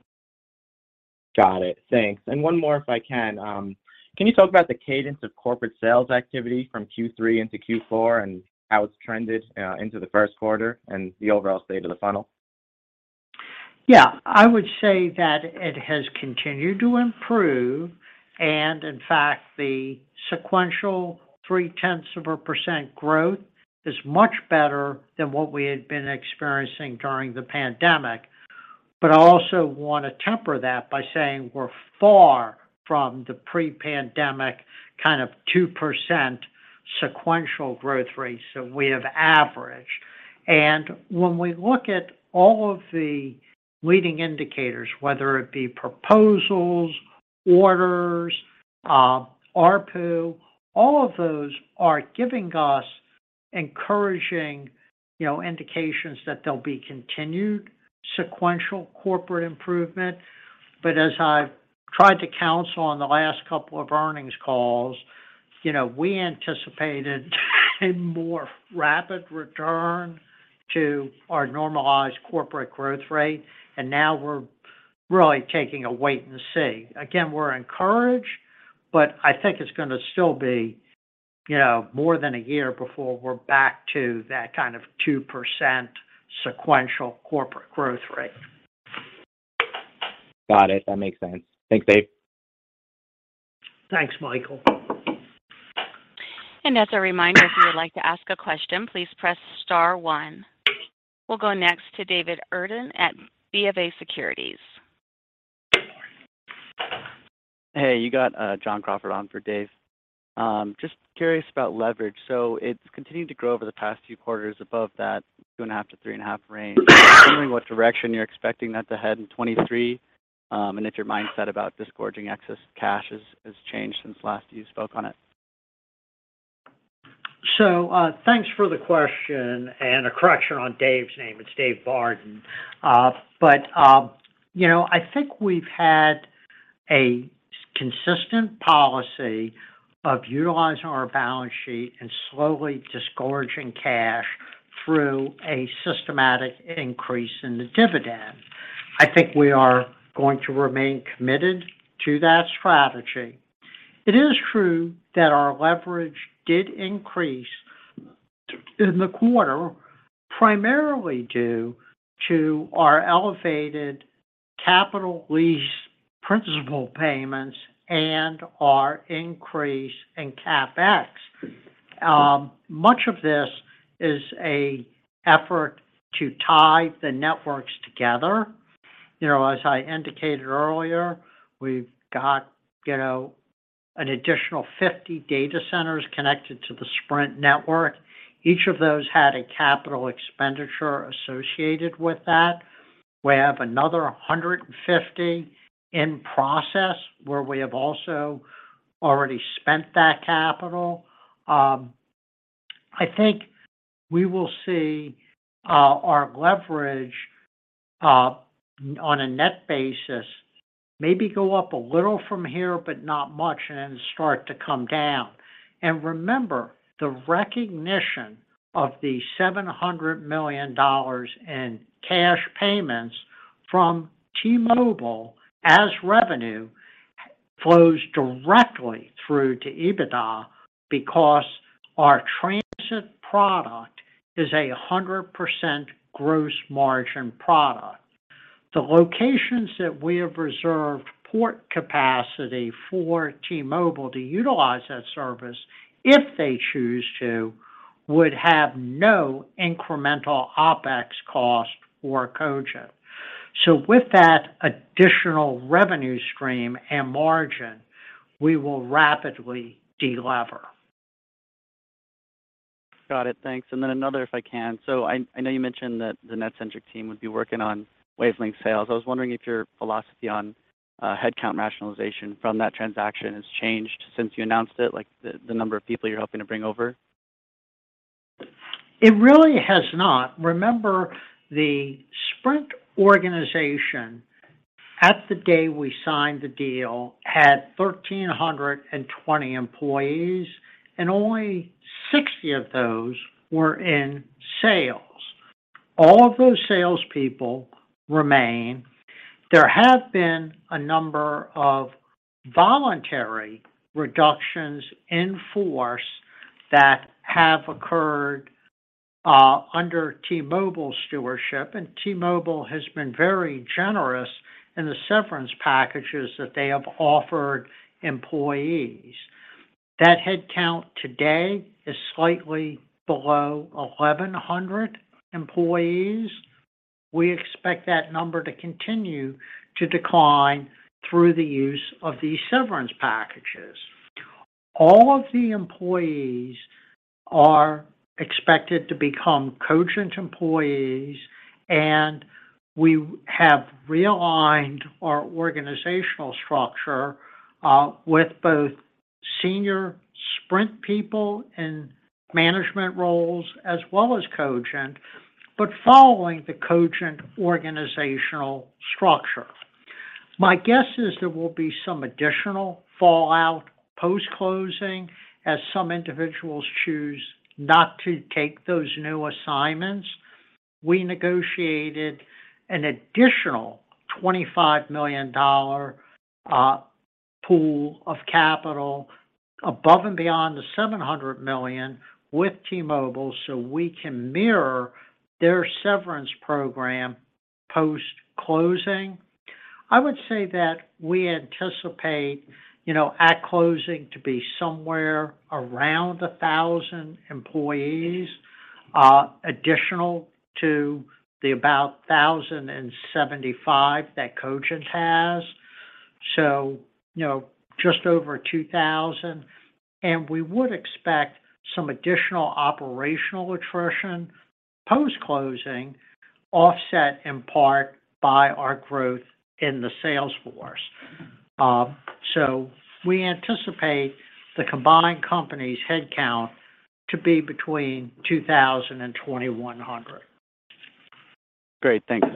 Got it. Thanks. One more, if I can. Can you talk about the cadence of corporate sales activity from Q3 into Q4, and how it's trended into the first quarter and the overall state of the funnel? I would say that it has continued to improve. In fact, the sequential 0.3% growth is much better than what we had been experiencing during the pandemic. I also wanna temper that by saying we're far from the pre-pandemic kind of 2% sequential growth rate, so we have averaged. When we look at all of the leading indicators, whether it be proposals, orders, ARPU, all of those are giving us encouraging, you know, indications that there'll be continued sequential corporate improvement. As I've tried to counsel on the last couple of earnings calls, you know, we anticipated a more rapid return to our normalized corporate growth rate, and now we're really taking a wait and see. We're encouraged, but I think it's gonna still be, you know, more than a year before we're back to that kind of 2% sequential corporate growth rate. Got it. That makes sense. Thanks, Dave. Thanks, Michael. As a reminder, if you would like to ask a question, please press star one. We'll go next to David Barden at BofA Securities. Hey, you got, John Crawford on for Dave. Just curious about leverage. It's continued to grow over the past few quarters above that two and a half to three and a half range. Wondering what direction you're expecting that to head in 2023, and if your mindset about disgorging excess cash has changed since last you spoke on it. Thanks for the question, and a correction on Dave's name, it's David Barden. I think we've had a consistent policy of utilizing our balance sheet and slowly disgorging cash through a systematic increase in the dividend. I think we are going to remain committed to that strategy. It is true that our leverage did increase in the quarter, primarily due to our elevated capital lease principal payments and our increase in CapEx. Much of this is a effort to tie the networks together. As I indicated earlier, we've got an additional 50 data centers connected to the Sprint network. Each of those had a capital expenditure associated with that. We have another 150 in process where we have also already spent that capital. I think we will see our leverage on a net basis, maybe go up a little from here, but not much, and then start to come down. Remember, the recognition of the $700 million in cash payments from T-Mobile as revenue flows directly through to EBITDA because our transit product is a 100% gross margin product. The locations that we have reserved port capacity for T-Mobile to utilize that service, if they choose to, would have no incremental OpEx cost for Cogent. With that additional revenue stream and margin, we will rapidly delever. Got it. Thanks. Another, if I can. I know you mentioned that the NetCentric team would be working on Wavelengths sales. I was wondering if your philosophy on headcount rationalization from that transaction has changed since you announced it, like the number of people you're hoping to bring over. It really has not. Remember, the Sprint organization at the day we signed the deal had 1,320 employees, and only 60 of those were in sales. All of those salespeople remain. There have been a number of voluntary reductions in force that have occurred under T-Mobile stewardship. T-Mobile has been very generous in the severance packages that they have offered employees. That headcount today is slightly below 1,100 employees. We expect that number to continue to decline through the use of these severance packages. All of the employees are expected to become Cogent employees. We have realigned our organizational structure with both senior Sprint people in management roles as well as Cogent, but following the Cogent organizational structure. My guess is there will be some additional fallout post-closing as some individuals choose not to take those new assignments. We negotiated an additional $25 million pool of capital above and beyond the $700 million with T-Mobile so we can mirror their severance program post-closing. I would say that we anticipate at closing to be somewhere around 1,000 employees additional to the about 1,075 that Cogent has. Just over 2,000. We would expect some additional operational attrition post-closing, offset in part by our growth in the sales force. We anticipate the combined company's headcount to be between 2,000 and 2,100. Great. Thanks.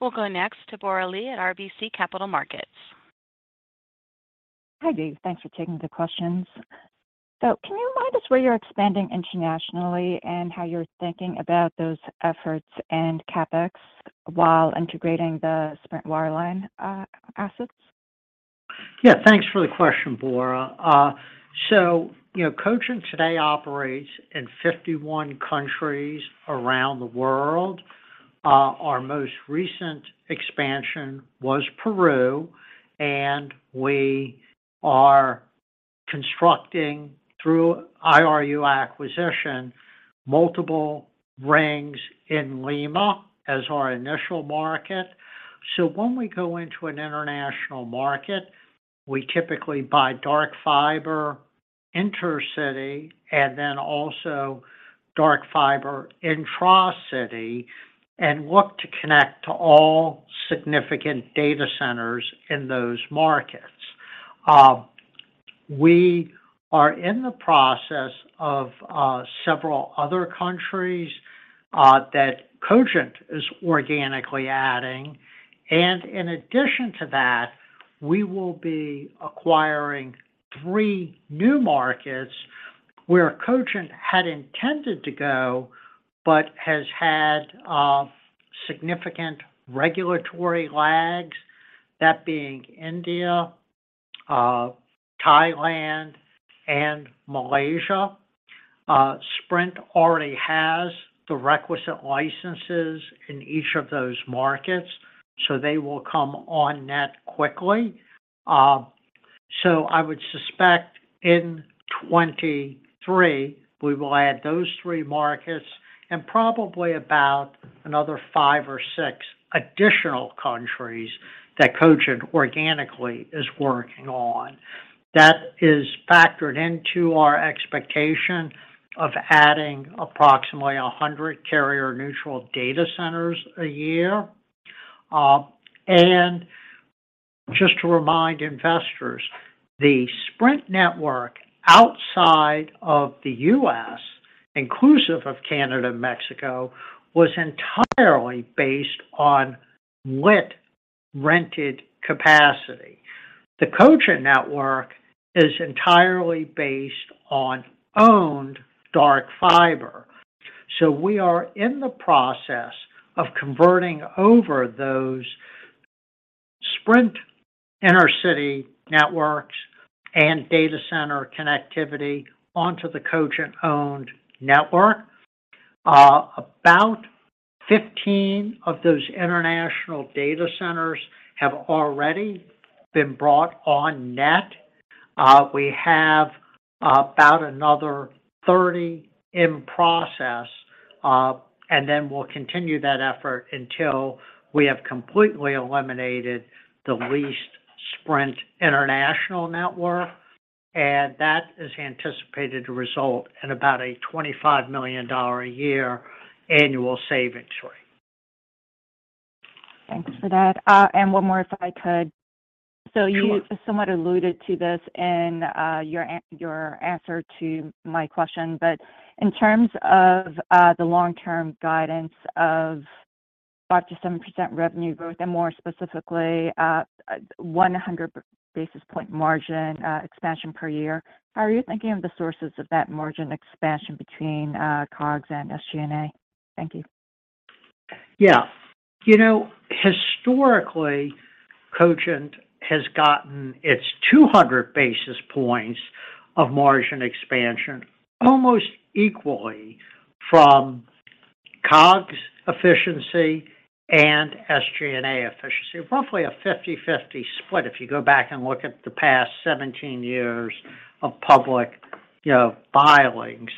We'll go next to Bora Lee at RBC Capital Markets. Hi, Dave. Thanks for taking the questions. Can you remind us where you're expanding internationally and how you're thinking about those efforts and CapEx while integrating the Sprint wireline assets? Yeah. Thanks for the question, Bora Lee. You know, Cogent today operates in 51 countries around the world. Our most recent expansion was Peru, we are constructing through IRU acquisition, multiple rings in Lima as our initial market. When we go into an international market, we typically buy dark fiber intercity also dark fiber intracity look to connect to all significant data centers in those markets. We are in the process of several other countries that Cogent is organically adding. In addition to that, we will be acquiring three new markets where Cogent had intended to go has had significant regulatory lags. That being India, Thailand, Malaysia. Sprint already has the requisite licenses in each of those markets, they will come on net quickly. I would suspect in 2023, we will add those three markets and probably about another five or six additional countries that Cogent organically is working on. That is factored into our expectation of adding approximately 100 carrier neutral data centers a year. Just to remind investors, the Sprint network outside of the U.S., inclusive of Canada and Mexico, was entirely based on lit rented capacity. The Cogent network is entirely based on owned dark fiber. We are in the process of converting over those Sprint intercity networks and data center connectivity onto the Cogent owned network. About 15 of those international data centers have already been brought on net. We have about another 30 in process. We'll continue that effort until we have completely eliminated the leased Sprint international network. That is anticipated to result in about a $25 million a year annual savings rate. Thanks for that. One more, if I could. Sure. You somewhat alluded to this in your answer to my question, but in terms of the long-term guidance of 5%-7% revenue growth, and more specifically, 100 basis point margin expansion per year, how are you thinking of the sources of that margin expansion between COGS and SG&A? Thank you. You know, historically, Cogent has gotten its 200 basis points of margin expansion almost equally from COGS efficiency and SG&A efficiency, roughly a 50/50 split, if you go back and look at the past 17 years of public, you know, filings.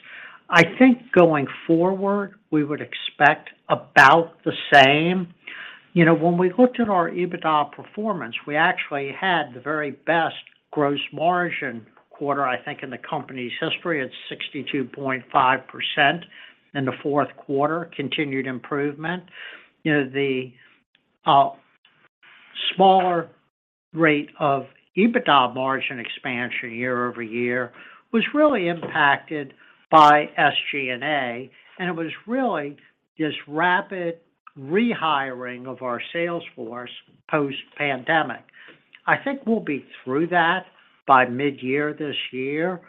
I think going forward, we would expect about the same. You know, when we looked at our EBITDA performance, we actually had the very best gross margin quarter, I think, in the company's history. It's 62.5% in the fourth quarter, continued improvement. You know, the smaller rate of EBITDA margin expansion year-over-year was really impacted by SG&A, and it was really this rapid rehiring of our sales force post-pandemic. I think we'll be through that by mid-year this year.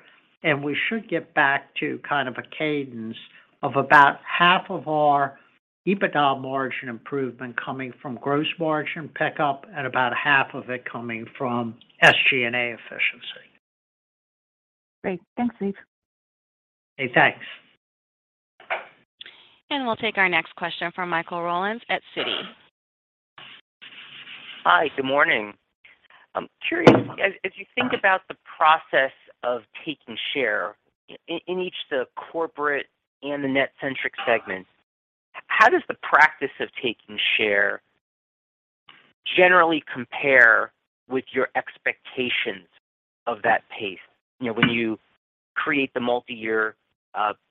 We should get back to kind of a cadence of about half of our EBITDA margin improvement coming from gross margin pickup and about half of it coming from SG&A efficiency. Great. Thanks, Steve. Okay, thanks. We'll take our next question from Michael Rollins at Citi. Hi, good morning. I'm curious, as you think about the process of taking share in each the corporate and the NetCentric segments, how does the practice of taking share generally compare with your expectations of that pace, you know, when you create the multi-year,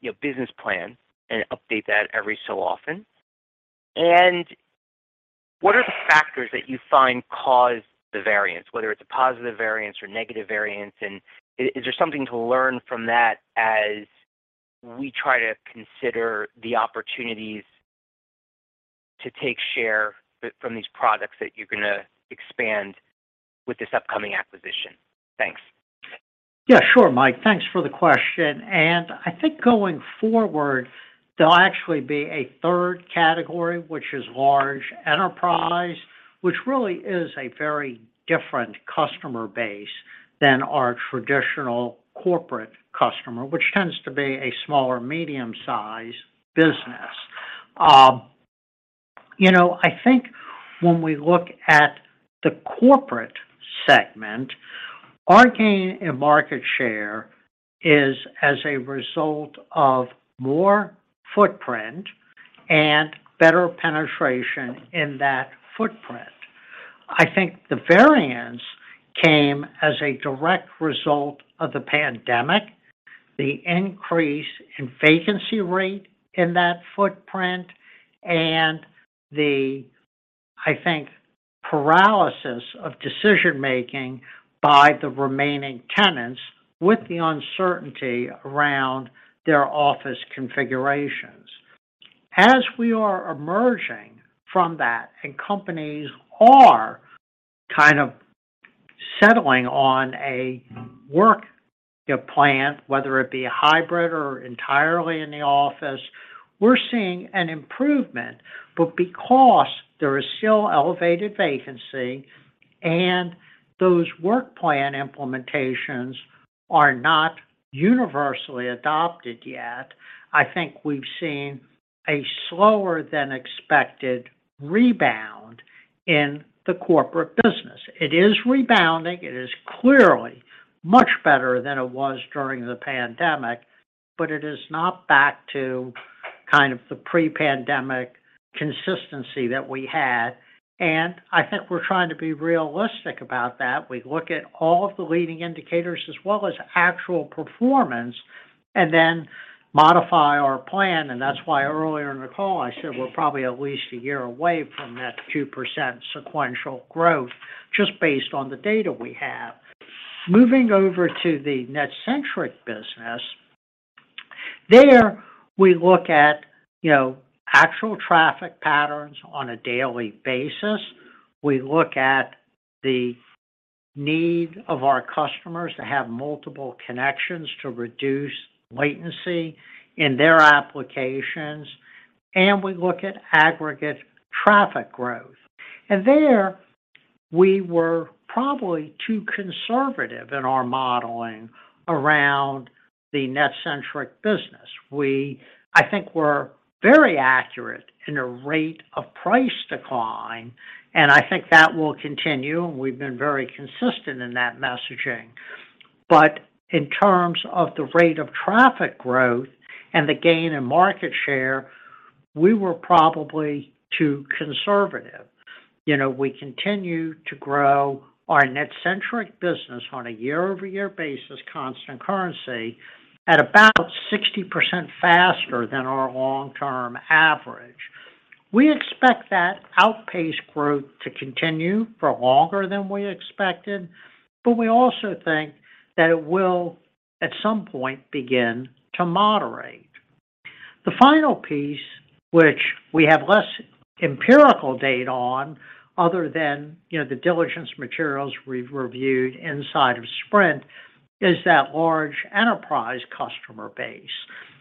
you know, business plan and update that every so often? What are the factors that you find cause the variance, whether it's a positive variance or negative variance, and is there something to learn from that as we try to consider the opportunities to take share from these products that you're gonna expand with this upcoming acquisition? Thanks. Yeah, sure, Mike. Thanks for the question. I think going forward, there'll actually be a third category, which is large enterprise, which really is a very different customer base than our traditional corporate customer, which tends to be a smaller medium-size business. You know, I think when we look at the corporate segment, our gain in market share is as a result of more footprint and better penetration in that footprint. I think the variance came as a direct result of the pandemic, the increase in vacancy rate in that footprint, and the, I think, paralysis of decision-making by the remaining tenants with the uncertainty around their office configurations. As we are emerging from that and companies are kind of settling on a work plan, whether it be a hybrid or entirely in the office, we're seeing an improvement. Because there is still elevated vacancy and those work plan implementations are not universally adopted yet, I think we've seen a slower than expected rebound in the corporate business. It is rebounding. It is clearly much better than it was during the pandemic. It is not back to kind of the pre-pandemic consistency that we had, and I think we're trying to be realistic about that. We look at all of the leading indicators as well as actual performance and then modify our plan. That's why earlier in the call I said we're probably at least a year away from that 2% sequential growth just based on the data we have. Moving over to the NetCentric business, there we look at, you know, actual traffic patterns on a daily basis. We look at the need of our customers to have multiple connections to reduce latency in their applications. We look at aggregate traffic growth. There we were probably too conservative in our modeling around the NetCentric business. I think we're very accurate in a rate of price decline, and I think that will continue, and we've been very consistent in that messaging. In terms of the rate of traffic growth and the gain in market share, we were probably too conservative. You know, we continue to grow our NetCentric business on a year-over-year basis, constant currency, at about 60% faster than our long-term average. We expect that outpaced growth to continue for longer than we expected, but we also think that it will at some point begin to moderate. The final piece, which we have less empirical data on other than, you know, the diligence materials we've reviewed inside of Sprint, is that large enterprise customer base.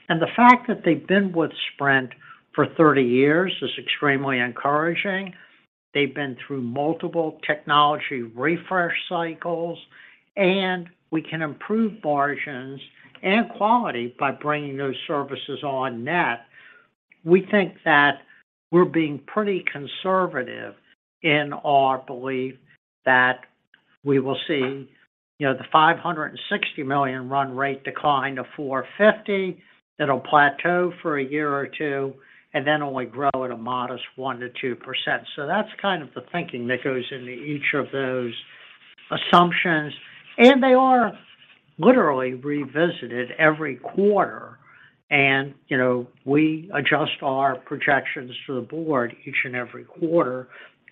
The fact that they've been with Sprint for 30 years is extremely encouraging. They've been through multiple technology refresh cycles, and we can improve margins and quality by bringing those services on net. We think that we're being pretty conservative in our belief that we will see, you know, the $560 million run rate decline to $450. It'll plateau for a year or two, and then only grow at a modest 1%-2%. That's kind of the thinking that goes into each of those assumptions. They are literally revisited every quarter. You know, we adjust our projections to the board each and every quarter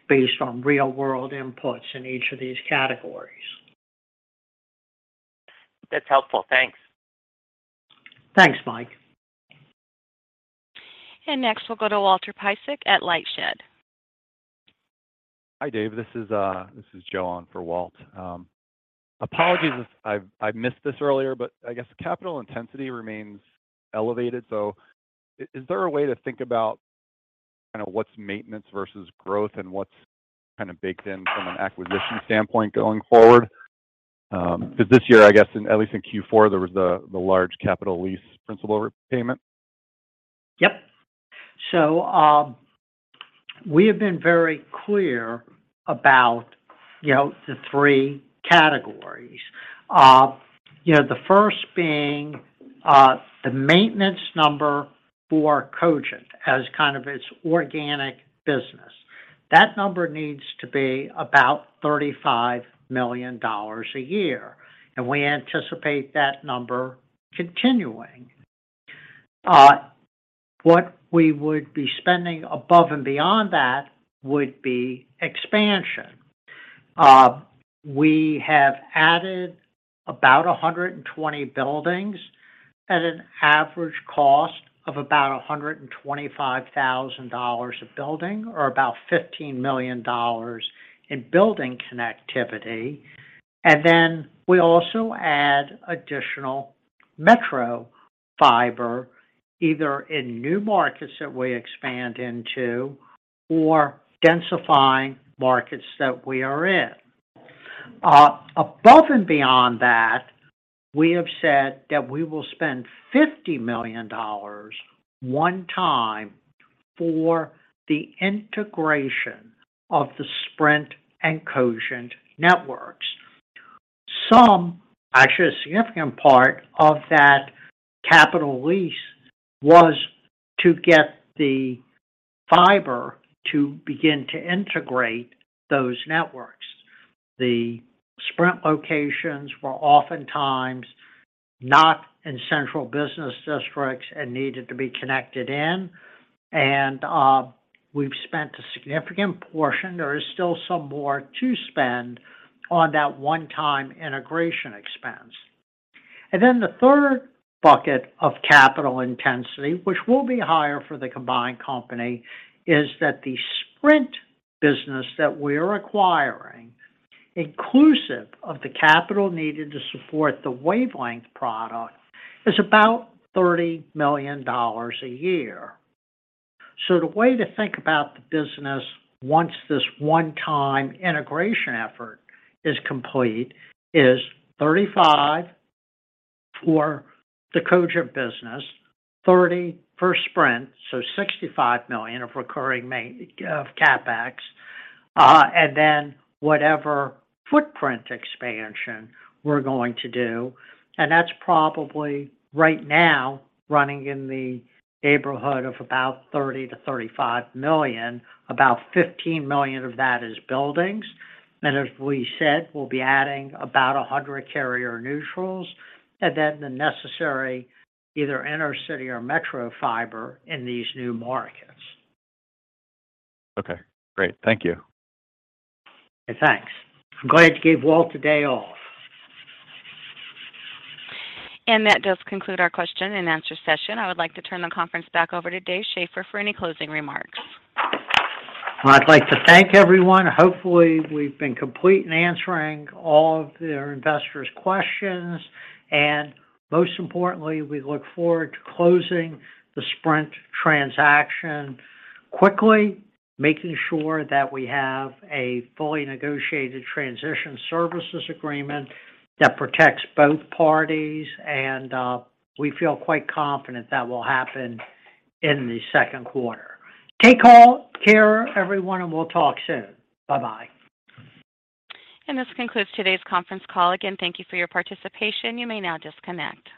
based on real-world inputs in each of these categories. That's helpful. Thanks. Thanks, Mike. Next, we'll go to Walter Piecyk at LightShed. Hi, David. This is, this is Joe on for Walter. Apologies if I missed this earlier, but I guess capital intensity remains elevated. Is there a way to think about kind of what's maintenance versus growth and what's kind of baked in from an acquisition standpoint going forward? 'Cause this year, I guess at least in Q4, there was the large capital lease principal repayment Yep. We have been very clear about, you know, the three categories. You know, the first being the maintenance number for Cogent as kind of its organic business. That number needs to be about $35 million a year, and we anticipate that number continuing. What we would be spending above and beyond that would be expansion. We have added about 120 buildings at an average cost of about $125,000 a building or about $15 million in building connectivity. We also add additional metro fiber, either in new markets that we expand into or densifying markets that we are in. Above and beyond that, we have said that we will spend $50 million one time for the integration of the Sprint and Cogent networks. Some, actually a significant part of that capital lease was to get the fiber to begin to integrate those networks. The Sprint locations were oftentimes not in central business districts and needed to be connected in, we've spent a significant portion. There is still some more to spend on that one-time integration expense. The third bucket of capital intensity, which will be higher for the combined company, is that the Sprint business that we're acquiring, inclusive of the capital needed to support the Wavelengths product, is about $30 million a year. The way to think about the business once this one-time integration effort is complete is 35 for the Cogent business, 30 for Sprint, $65 million of recurring CapEx, and then whatever footprint expansion we're going to do. That's probably right now running in the neighborhood of about $30 million-$35 million. About $15 million of that is buildings. As we said, we'll be adding about 100 carrier neutrals, and then the necessary either inner city or metro fiber in these new markets. Okay, great. Thank you. Thanks. I'm glad you gave Walt the day off. That does conclude our question and answer session. I would like to turn the conference back over to David Schaeffer for any closing remarks. I'd like to thank everyone. Hopefully, we've been complete in answering all of the investors' questions. Most importantly, we look forward to closing the Sprint transaction quickly, making sure that we have a fully negotiated transition services agreement that protects both parties. We feel quite confident that will happen in the second quarter. Take care, everyone, and we'll talk soon. Bye-bye. This concludes today's conference call. Again, thank you for your participation. You may now disconnect.